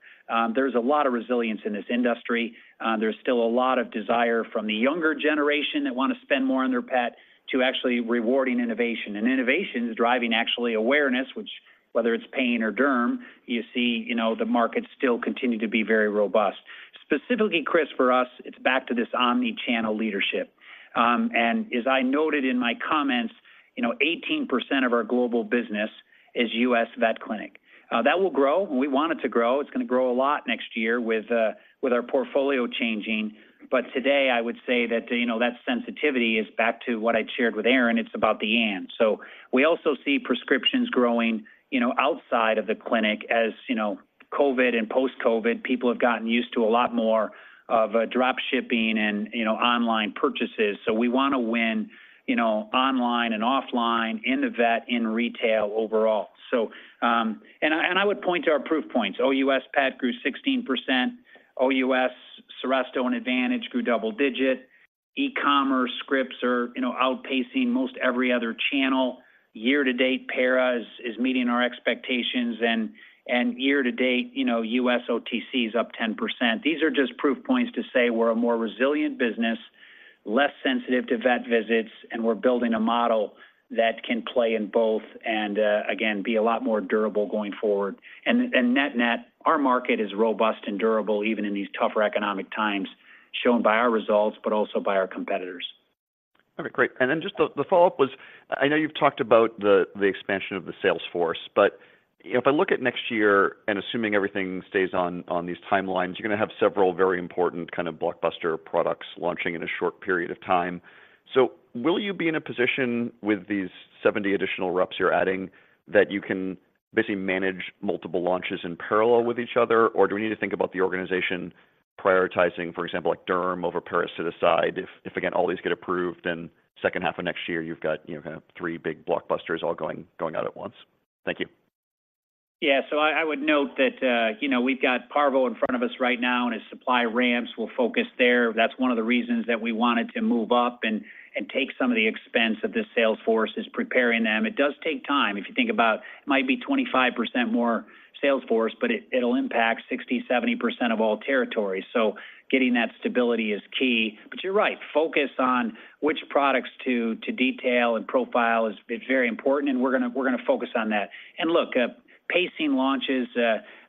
There's a lot of resilience in this industry. There's still a lot of desire from the younger generation that want to spend more on their pet, to actually rewarding innovation. And innovation is driving actually awareness, which whether it's pain or derm, you see, you know, the market still continue to be very robust. Specifically, Chris, for us, it's back to this omnichannel leadership. And as I noted in my comments, you know, 18% of our global business is U.S. vet clinic. That will grow, and we want it to grow. It's going to grow a lot next year with our portfolio changing. But today, I would say that, you know, that sensitivity is back to what I shared with Erin; it's about the and. So we also see prescriptions growing, you know, outside of the clinic, as you know, COVID and post-COVID, people have gotten used to a lot more of drop shipping and, you know, online purchases. So we want to win, you know, online and offline, in the vet, in retail overall. And I would point to our proof points. OUS Pet grew 16%. OUS, Seresto, and Advantage grew double-digit. E-commerce scripts are, you know, outpacing most every other channel. Year to date, Para is meeting our expectations, and year to date, you know, US OTC is up 10%. These are just proof points to say we're a more resilient business, less sensitive to vet visits, and we're building a model that can play in both and again, be a lot more durable going forward. And net-net, our market is robust and durable, even in these tougher economic times, shown by our results, but also by our competitors. Okay, great. And then just the follow-up was, I know you've talked about the expansion of the sales force, but if I look at next year and assuming everything stays on these timelines, you're going to have several very important kind of blockbuster products launching in a short period of time. So will you be in a position with these 70 additional reps you're adding, that you can basically manage multiple launches in parallel with each other? Or do we need to think about the organization prioritizing, for example, like derm over parasiticide. If again, all these get approved, then H2 of next year, you've got, you know, kind of 3 big blockbusters all going out at once. Thank you. Yeah. So I would note that, you know, we've got Parvo in front of us right now, and as supply ramps, we'll focus there. That's one of the reasons that we wanted to move up and take some of the expense of this sales force is preparing them. It does take time. If you think about, it might be 25% more sales force, but it'll impact 60%-70% of all territories. So getting that stability is key. But you're right, focus on which products to detail and profile is very important, and we're gonna focus on that. And look, pacing launches,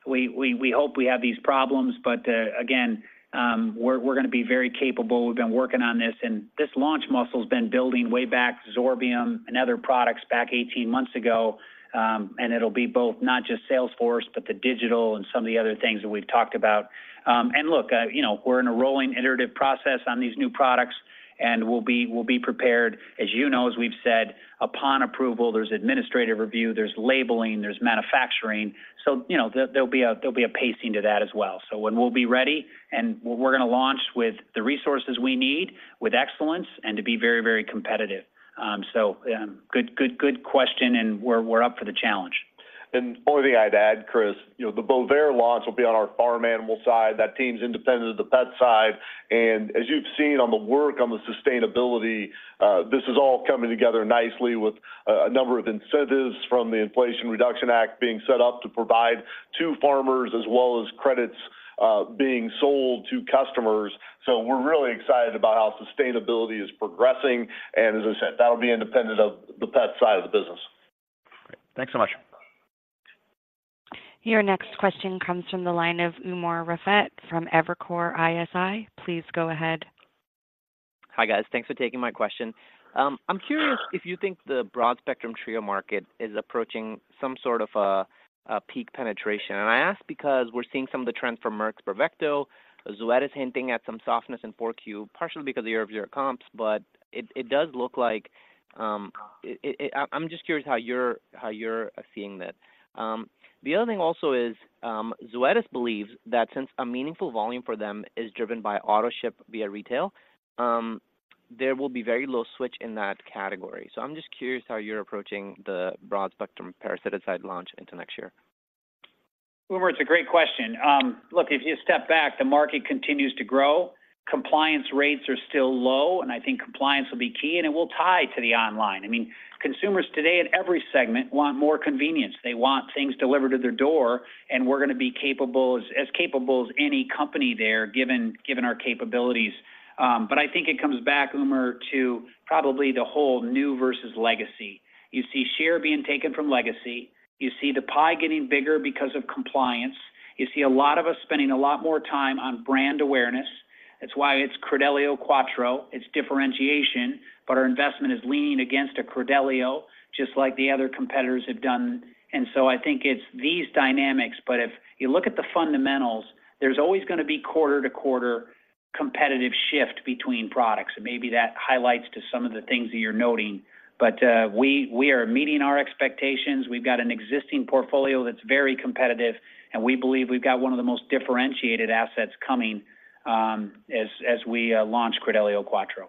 we hope we have these problems, but again, we're gonna be very capable. We've been working on this, and this launch muscle's been building way back, Zorbium and other products back 18 months ago. And it'll be both, not just sales force, but the digital and some of the other things that we've talked about. And look, you know, we're in a rolling, iterative process on these new products, and we'll be, we'll be prepared. As you know, as we've said, upon approval, there's administrative review, there's labeling, there's manufacturing. So, you know, there, there'll be a, there'll be a pacing to that as well. So when we'll be ready, and we're gonna launch with the resources we need, with excellence and to be very, very competitive. So, good, good, good question, and we're, we're up for the challenge. And only thing I'd add, Chris, you know, the Bovaer launch will be on our farm animal side. That team's independent of the pet side, and as you've seen on the work on the sustainability, this is all coming together nicely with a number of incentives from the Inflation Reduction Act being set up to provide to farmers, as well as credits being sold to customers. So we're really excited about how sustainability is progressing, and as I said, that'll be independent of the pet side of the business. Great. Thanks so much. Your next question comes from the line of Umer Raffat from Evercore ISI. Please go ahead. Hi, guys. Thanks for taking my question. I'm curious if you think the broad spectrum trio market is approaching some sort of a peak penetration. And I ask because we're seeing some of the trends from Merck's Bravecto. Zoetis is hinting at some softness in 4Q, partially because of year-over-year comps, but it does look like I'm just curious how you're seeing that. The other thing also is, Zoetis believes that since a meaningful volume for them is driven by autoship via retail, there will be very little switch in that category. So I'm just curious how you're approaching the broad spectrum parasiticide launch into next year. Umer, it's a great question. Look, if you step back, the market continues to grow, compliance rates are still low, and I think compliance will be key, and it will tie to the online. I mean, consumers today in every segment want more convenience. They want things delivered to their door, and we're gonna be capable, as capable as any company there, given our capabilities. But I think it comes back, Umer, to probably the whole new versus legacy. You see share being taken from legacy. You see the pie getting bigger because of compliance. You see a lot of us spending a lot more time on brand awareness. That's why it's Credelio Quattro. It's differentiation, but our investment is leaning against a Credelio, just like the other competitors have done. So I think it's these dynamics, but if you look at the fundamentals, there's always gonna be quarter-to-quarter competitive shift between products. And maybe that highlights to some of the things that you're noting. But, we are meeting our expectations. We've got an existing portfolio that's very competitive, and we believe we've got one of the most differentiated assets coming, as we launch Credelio Quattro.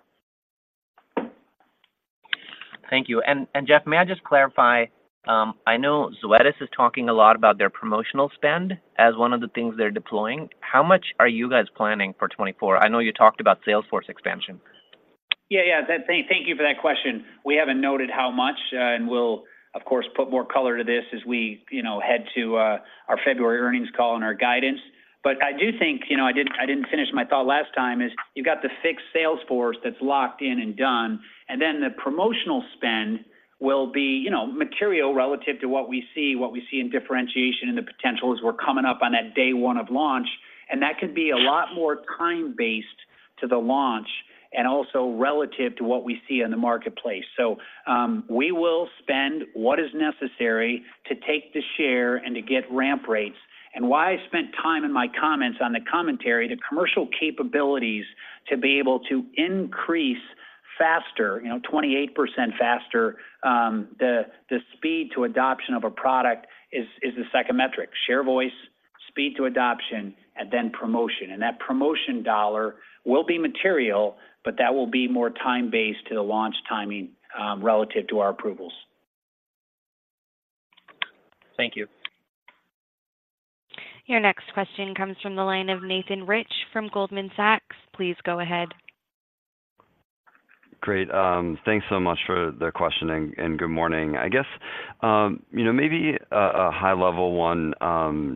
Thank you. And, Jeff, may I just clarify? I know Zoetis is talking a lot about their promotional spend as one of the things they're deploying. How much are you guys planning for 2024? I know you talked about sales force expansion. Yeah. Thank, thank you for that question. We haven't noted how much, and we'll, of course, put more color to this as we, you know, head to, our February earnings call and our guidance. But I do think, you know, I didn't, I didn't finish my thought last time, is you've got the fixed sales force that's locked in and done, and then the promotional spend will be, you know, material relative to what we see, what we see in differentiation and the potential as we're coming up on that day one of launch. And that could be a lot more time-based to the launch and also relative to what we see in the marketplace. So, we will spend what is necessary to take the share and to get ramp rates. Why I spent time in my comments on the commentary, the commercial capabilities to be able to increase faster, you know, 28% faster, the speed to adoption of a product is the second metric. Share voice, speed to adoption, and then promotion. And that promotion dollar will be material, but that will be more time-based to the launch timing, relative to our approvals. Thank you. Your next question comes from the line of Nathan Rich from Goldman Sachs. Please go ahead. Great. Thanks so much for the question, and good morning. I guess, you know, maybe a high-level one,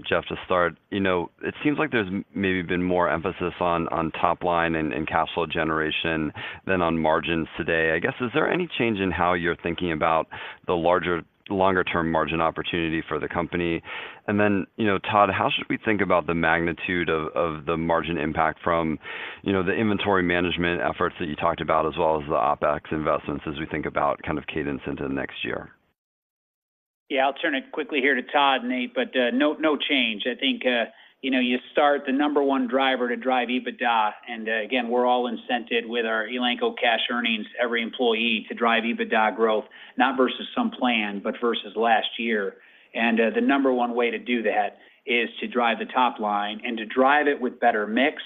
Jeff, to start. You know, it seems like there's maybe been more emphasis on top line and cash flow generation than on margins today. I guess, is there any change in how you're thinking about the longer-term margin opportunity for the company? And then, you know, Todd, how should we think about the magnitude of the margin impact from the inventory management efforts that you talked about, as well as the OpEx investments, as we think about kind of cadence into the next year? Yeah. I'll turn it quickly here to Todd, Nate, but no, no change. I think, you know, you start the number one driver to drive EBITDA, and again, we're all incented with our Elanco Cash Earnings, every employee, to drive EBITDA growth, not versus some plan, but versus last year. And the number one way to do that is to drive the top line and to drive it with better mix,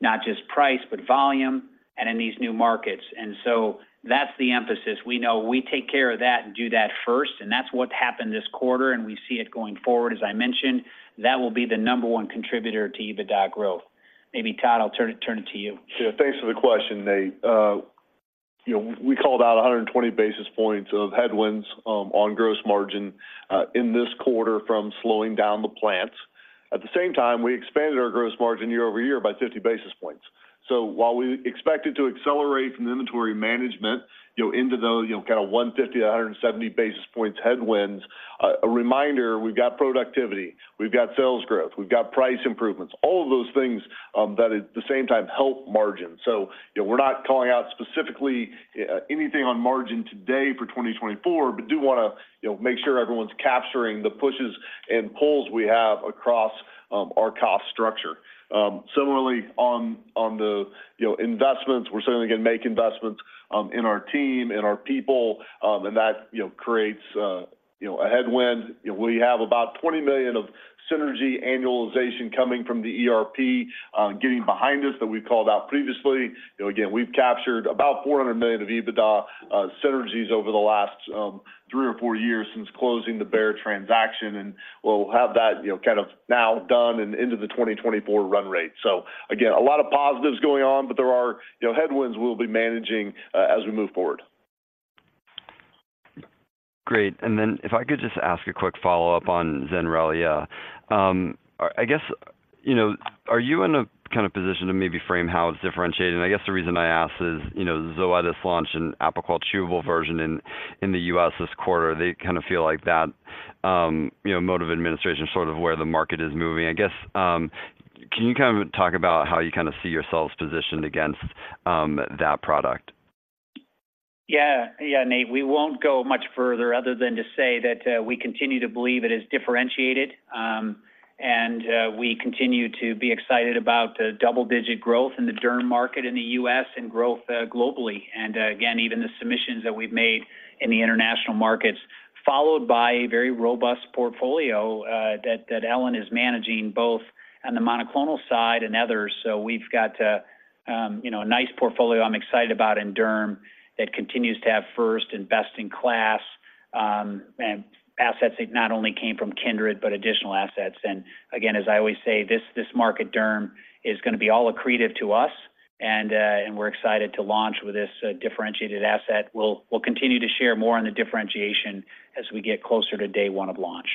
not just price, but volume, and in these new markets. And so that's the emphasis. We know we take care of that and do that first, and that's what happened this quarter, and we see it going forward. As I mentioned, that will be the number one contributor to EBITDA growth. Maybe, Todd, I'll turn it, turn it to you. Yeah, thanks for the question, Nate. You know, we called out 120 basis points of headwinds on gross margin in this quarter from slowing down the plants. At the same time, we expanded our gross margin year over year by 50 basis points. So while we expect it to accelerate from the inventory management, you know, into the, you know, kind of 150 to 170 basis points headwinds, a reminder, we've got productivity, we've got sales growth, we've got price improvements, all of those things that at the same time help margin. So, you know, we're not calling out specifically anything on margin today for 2024, but do want to, you know, make sure everyone's capturing the pushes and pulls we have across our cost structure. Similarly, on the, you know, investments, we're certainly going to make investments in our team, in our people, and that, you know, creates, you know, a headwind. We have about $20 million of synergy annualization coming from the ERP getting behind us that we called out previously. You know, again, we've captured about $400 million of EBITDA synergies over the last three or four years since closing the Bayer transaction, and we'll have that, you know, kind of now done and into the 2024 run rate. So again, a lot of positives going on, but there are, you know, headwinds we'll be managing as we move forward. Great. And then if I could just ask a quick follow-up on Zenrelia. Yeah. I guess, you know, are you in a kind of position to maybe frame how it's differentiating? I guess the reason I ask is, you know, Zoetis launched an apple chewable version in the U.S. this quarter. They kind of feel like that, you know, mode of administration is sort of where the market is moving. I guess, can you kind of talk about how you kind of see yourselves positioned against that product? Yeah, Nate, we won't go much further other than to say that, we continue to believe it is differentiated, and, we continue to be excited about the double-digit growth in the derm market in the U.S. and growth, globally. And again, even the submissions that we've made in the international markets, followed by a very robust portfolio, that Ellen is managing both on the monoclonal side and others. So we've got, a nice portfolio I'm excited about in Derm that continues to have first and best-in-class, and assets that not only came from Kindred, but additional assets. And again, as I always say, this, this market, derm, is going to be all accretive to us, and, and we're excited to launch with this, differentiated asset. We'll continue to share more on the differentiation as we get closer to day one of launch.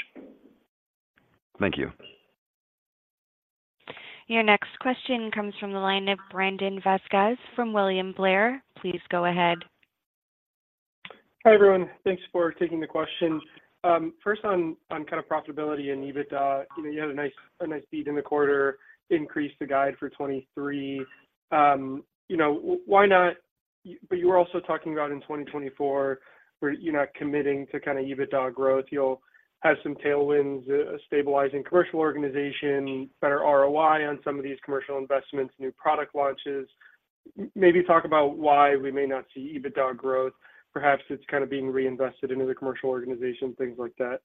Thank you. Your next question comes from the line of Brandon Vazquez from William Blair. Please go ahead. Hi, everyone. Thanks for taking the question. First on kind of profitability and EBITDA, you know, you had a nice, a nice beat in the quarter, increased the guide for 2023. But you were also talking about in 2024, where you're not committing to kind of EBITDA growth, you'll have some tailwinds, a stabilizing commercial organization, better ROI on some of these commercial investments, new product launches. Maybe talk about why we may not see EBITDA growth. Perhaps it's kind of being reinvested into the commercial organization, things like that.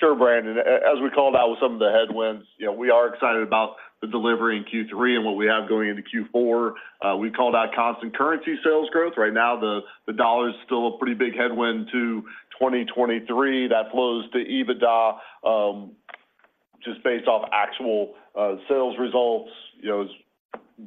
Sure, Brandon. As we called out with some of the headwinds, you know, we are excited about the delivery in Q3 and what we have going into Q4. We called out constant currency sales growth. Right now, the dollar is still a pretty big headwind to 2023. That flows to EBITDA, just based off actual sales results. You know,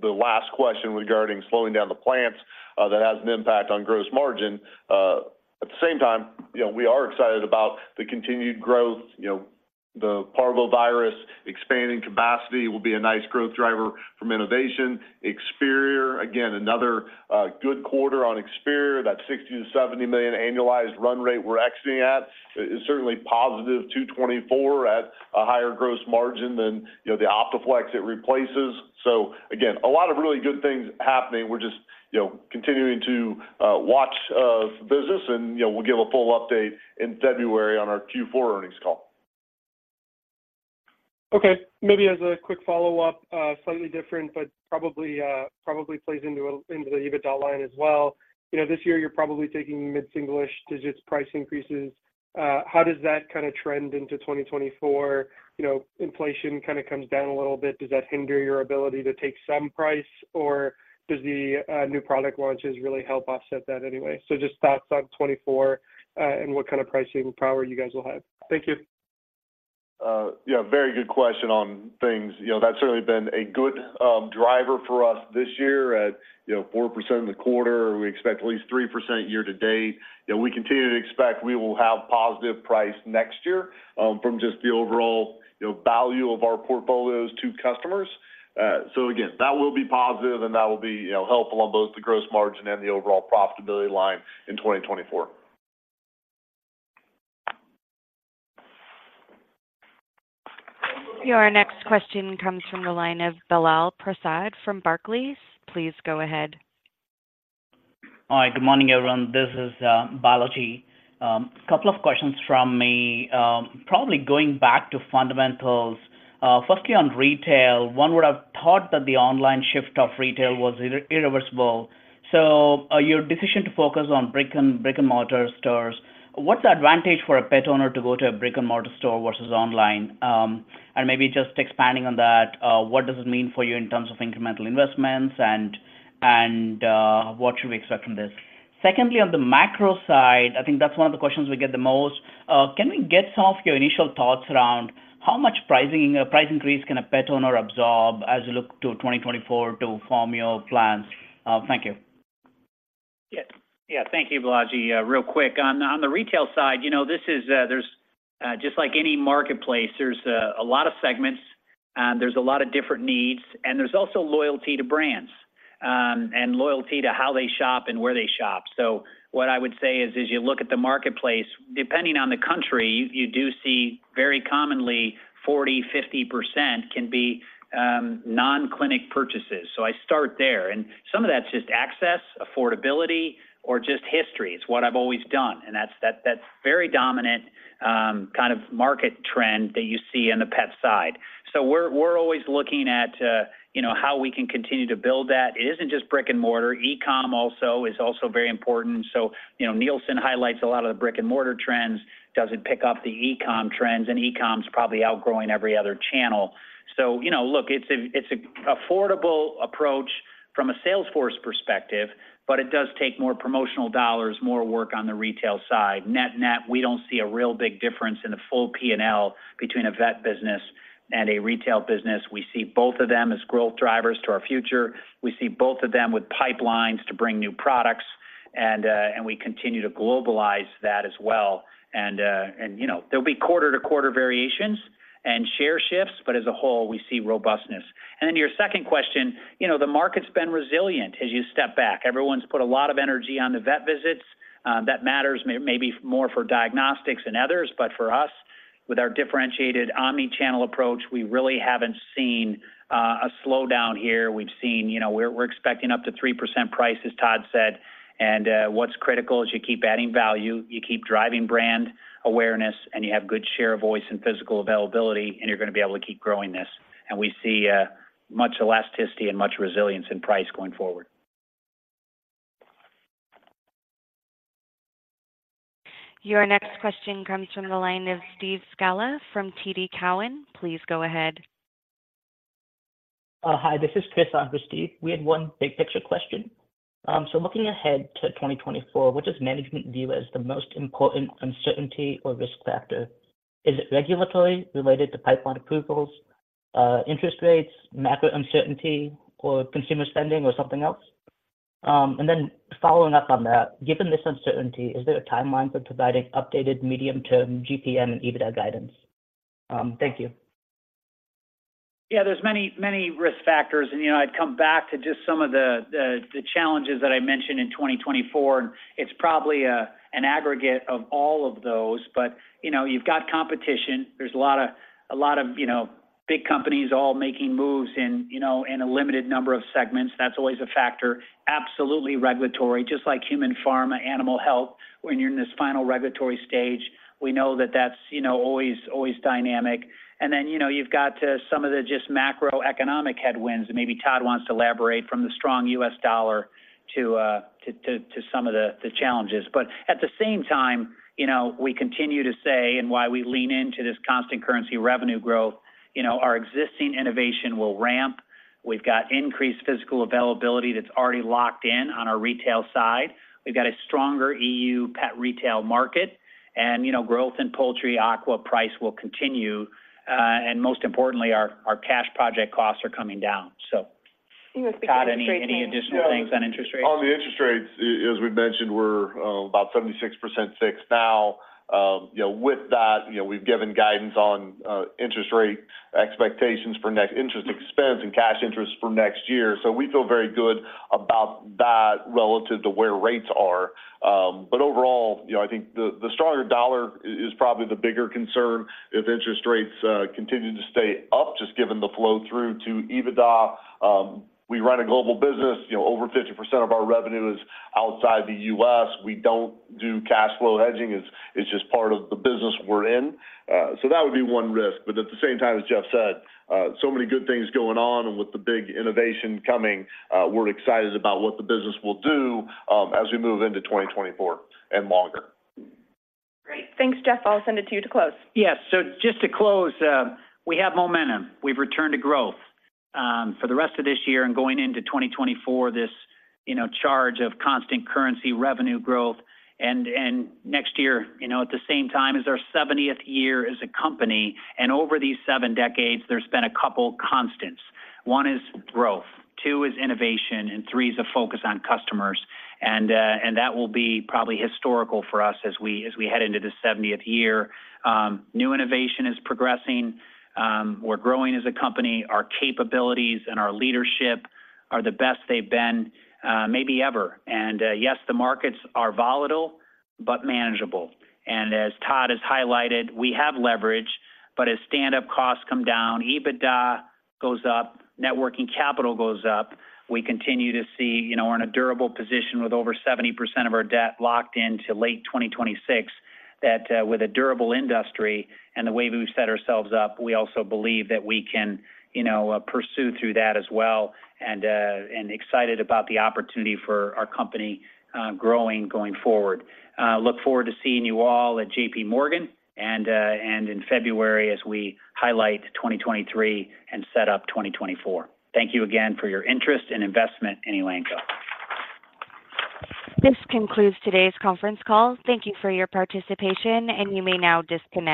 the last question regarding slowing down the plants, that has an impact on gross margin. At the same time, you know, we are excited about the continued growth, you know, the parvovirus expanding capacity will be a nice growth driver from innovation. Experior, again, another good quarter on Experior. That $60 million-$70 million annualized run rate we're exiting at is certainly positive to 2024 at a higher gross margin than, you know, the Optaflexx it replaces. So again, a lot of really good things happening. We're just, you know, continuing to watch business, and, you know, we'll give a full update in February on our Q4 earnings call. Okay, maybe as a quick follow-up, slightly different, but probably, probably plays into, into the EBITDA line as well. You know, this year you're probably taking mid-single-ish digits price increases. How does that kind of trend into 2024? You know, inflation kind of comes down a little bit. Does that hinder your ability to take some price, or does the, new product launches really help offset that anyway? So just thoughts on 2024, and what kind of pricing power you guys will have. Thank you. Yeah, very good question on things. You know, that's certainly been a good driver for us this year at, you know, 4% in the quarter. We expect at least 3% year to date. You know, we continue to expect we will have positive price next year, from just the overall, you know, value of our portfolios to customers. So again, that will be positive and that will be, you know, helpful on both the gross margin and the overall profitability line in 2024. Your next question comes from the line of Balaji Prasad from Barclays. Please go ahead. All right. Good morning, everyone. This is Balaji. A couple of questions from me. Probably going back to fundamentals. Firstly, on retail, one would have thought that the online shift of retail was irreversible. So, your decision to focus on brick-and-mortar stores, what's the advantage for a pet owner to go to a brick-and-mortar store versus online? And maybe just expanding on that, what does it mean for you in terms of incremental investments, and what should we expect from this? Secondly, on the macro side, I think that's one of the questions we get the most. Can we get some of your initial thoughts around how much pricing price increase can a pet owner absorb as you look to 2024 to form your plans? Thank you. Yeah, thank you, Balaji. Real quick, on the retail side, you know, this is, there's just like any marketplace, there's a lot of segments, and there's a lot of different needs, and there's also loyalty to brands, and loyalty to how they shop and where they shop. So what I would say is, as you look at the marketplace, depending on the country, you do see very commonly, 40-50% can be non-clinic purchases. So I start there. And some of that's just access, affordability, or just history. It's what I've always done, and that's very dominant kind of market trend that you see on the pet side. So we're always looking at, you know, how we can continue to build that. It isn't just brick-and-mortar. E-com is also very important. So, you know, Nielsen highlights a lot of the brick-and-mortar trends, doesn't pick up the e-com trends, and e-com is probably outgrowing every other channel. So, you know, look, it's a, it's an affordable approach from a sales force perspective, but it does take more promotional dollars, more work on the retail side. Net net, we don't see a real big difference in the full P&L between a vet business and a retail business. We see both of them as growth drivers to our future. We see both of them with pipelines to bring new products, and we continue to globalize that as well. And, you know, there'll be quarter-to-quarter variations and share shifts, but as a whole, we see robustness. And then your second question, you know, the market's been resilient as you step back. Everyone's put a lot of energy on the vet visits. That matters maybe more for diagnostics than others, but for us, with our differentiated omnichannel approach, we really haven't seen a slowdown here. We've seen, you know... We're expecting up to 3% price, as Todd said. And what's critical is you keep adding value, you keep driving brand awareness, and you have good share of voice and physical availability, and you're going to be able to keep growing this. And we see much elasticity and much resilience in price going forward. Your next question comes from the line of Steve Scala from TD Cowen. Please go ahead. Hi, this is Chris, not Steve. We had one big-picture question. Looking ahead to 2024, what does management view as the most important uncertainty or risk factor? Is it regulatory related to pipeline approvals, interest rates, macro uncertainty, or consumer spending, or something else? Then following up on that, given this uncertainty, is there a timeline for providing updated medium-term GPM and EBITDA guidance? Thank you. Yeah, there's many, many risk factors, and, you know, I'd come back to just some of the, the, the challenges that I mentioned in 2024. It's probably an aggregate of all of those. But, you know, you've got competition. There's a lot of, a lot of, you know, big companies all making moves in, you know, in a limited number of segments. That's always a factor. Absolutely regulatory, just like human pharma, animal health, when you're in this final regulatory stage, we know that that's, you know, always, always dynamic. And then, you know, you've got some of the just macroeconomic headwinds. Maybe Todd wants to elaborate from the strong US dollar to, to, to some of the, the challenges. But at the same time, you know, we continue to say and why we lean into this constant currency revenue growth, you know, our existing innovation will ramp. We've got increased physical availability that's already locked in on our retail side. We've got a stronger EU pet retail market, and, you know, growth in poultry, aqua price will continue. And most importantly, our, our cash project costs are coming down. So, Todd, any, any additional things on interest rates? On the interest rates, as we've mentioned, we're about 76% fixed now. You know, with that, you know, we've given guidance on interest rate expectations for next interest expense and cash interest for next year. So we feel very good about that relative to where rates are. But overall, you know, I think the stronger dollar is probably the bigger concern if interest rates continue to stay up, just given the flow-through to EBITDA. We run a global business. You know, over 50% of our revenue is outside the U.S. We don't do cash flow hedging. It's just part of the business we're in. So that would be one risk. But at the same time, as Jeff said, so many good things going on and with the big innovation coming, we're excited about what the business will do, as we move into 2024 and longer. Great. Thanks, Jeff. I'll send it to you to close. Yes. So just to close, we have momentum. We've returned to growth, for the rest of this year and going into 2024, this, you know, charge of constant currency, revenue growth. And next year, you know, at the same time, is our 70th year as a company, and over these seven decades, there's been a couple constants. one is growth, two is innovation, and three is a focus on customers. And that will be probably historical for us as we head into the 70th year. New innovation is progressing, we're growing as a company. Our capabilities and our leadership are the best they've been, maybe ever. And yes, the markets are volatile, but manageable. And as Todd has highlighted, we have leverage, but as stand-up costs come down, EBITDA goes up, net working capital goes up. We continue to see, you know, we're in a durable position with over 70% of our debt locked in to late 2026. That, with a durable industry and the way we've set ourselves up, we also believe that we can, you know, pursue through that as well, and, and excited about the opportunity for our company, growing going forward. Look forward to seeing you all at JPMorgan and, and in February as we highlight 2023 and set up 2024. Thank you again for your interest and investment in Elanco. This concludes today's conference call. Thank you for your participation, and you may now disconnect.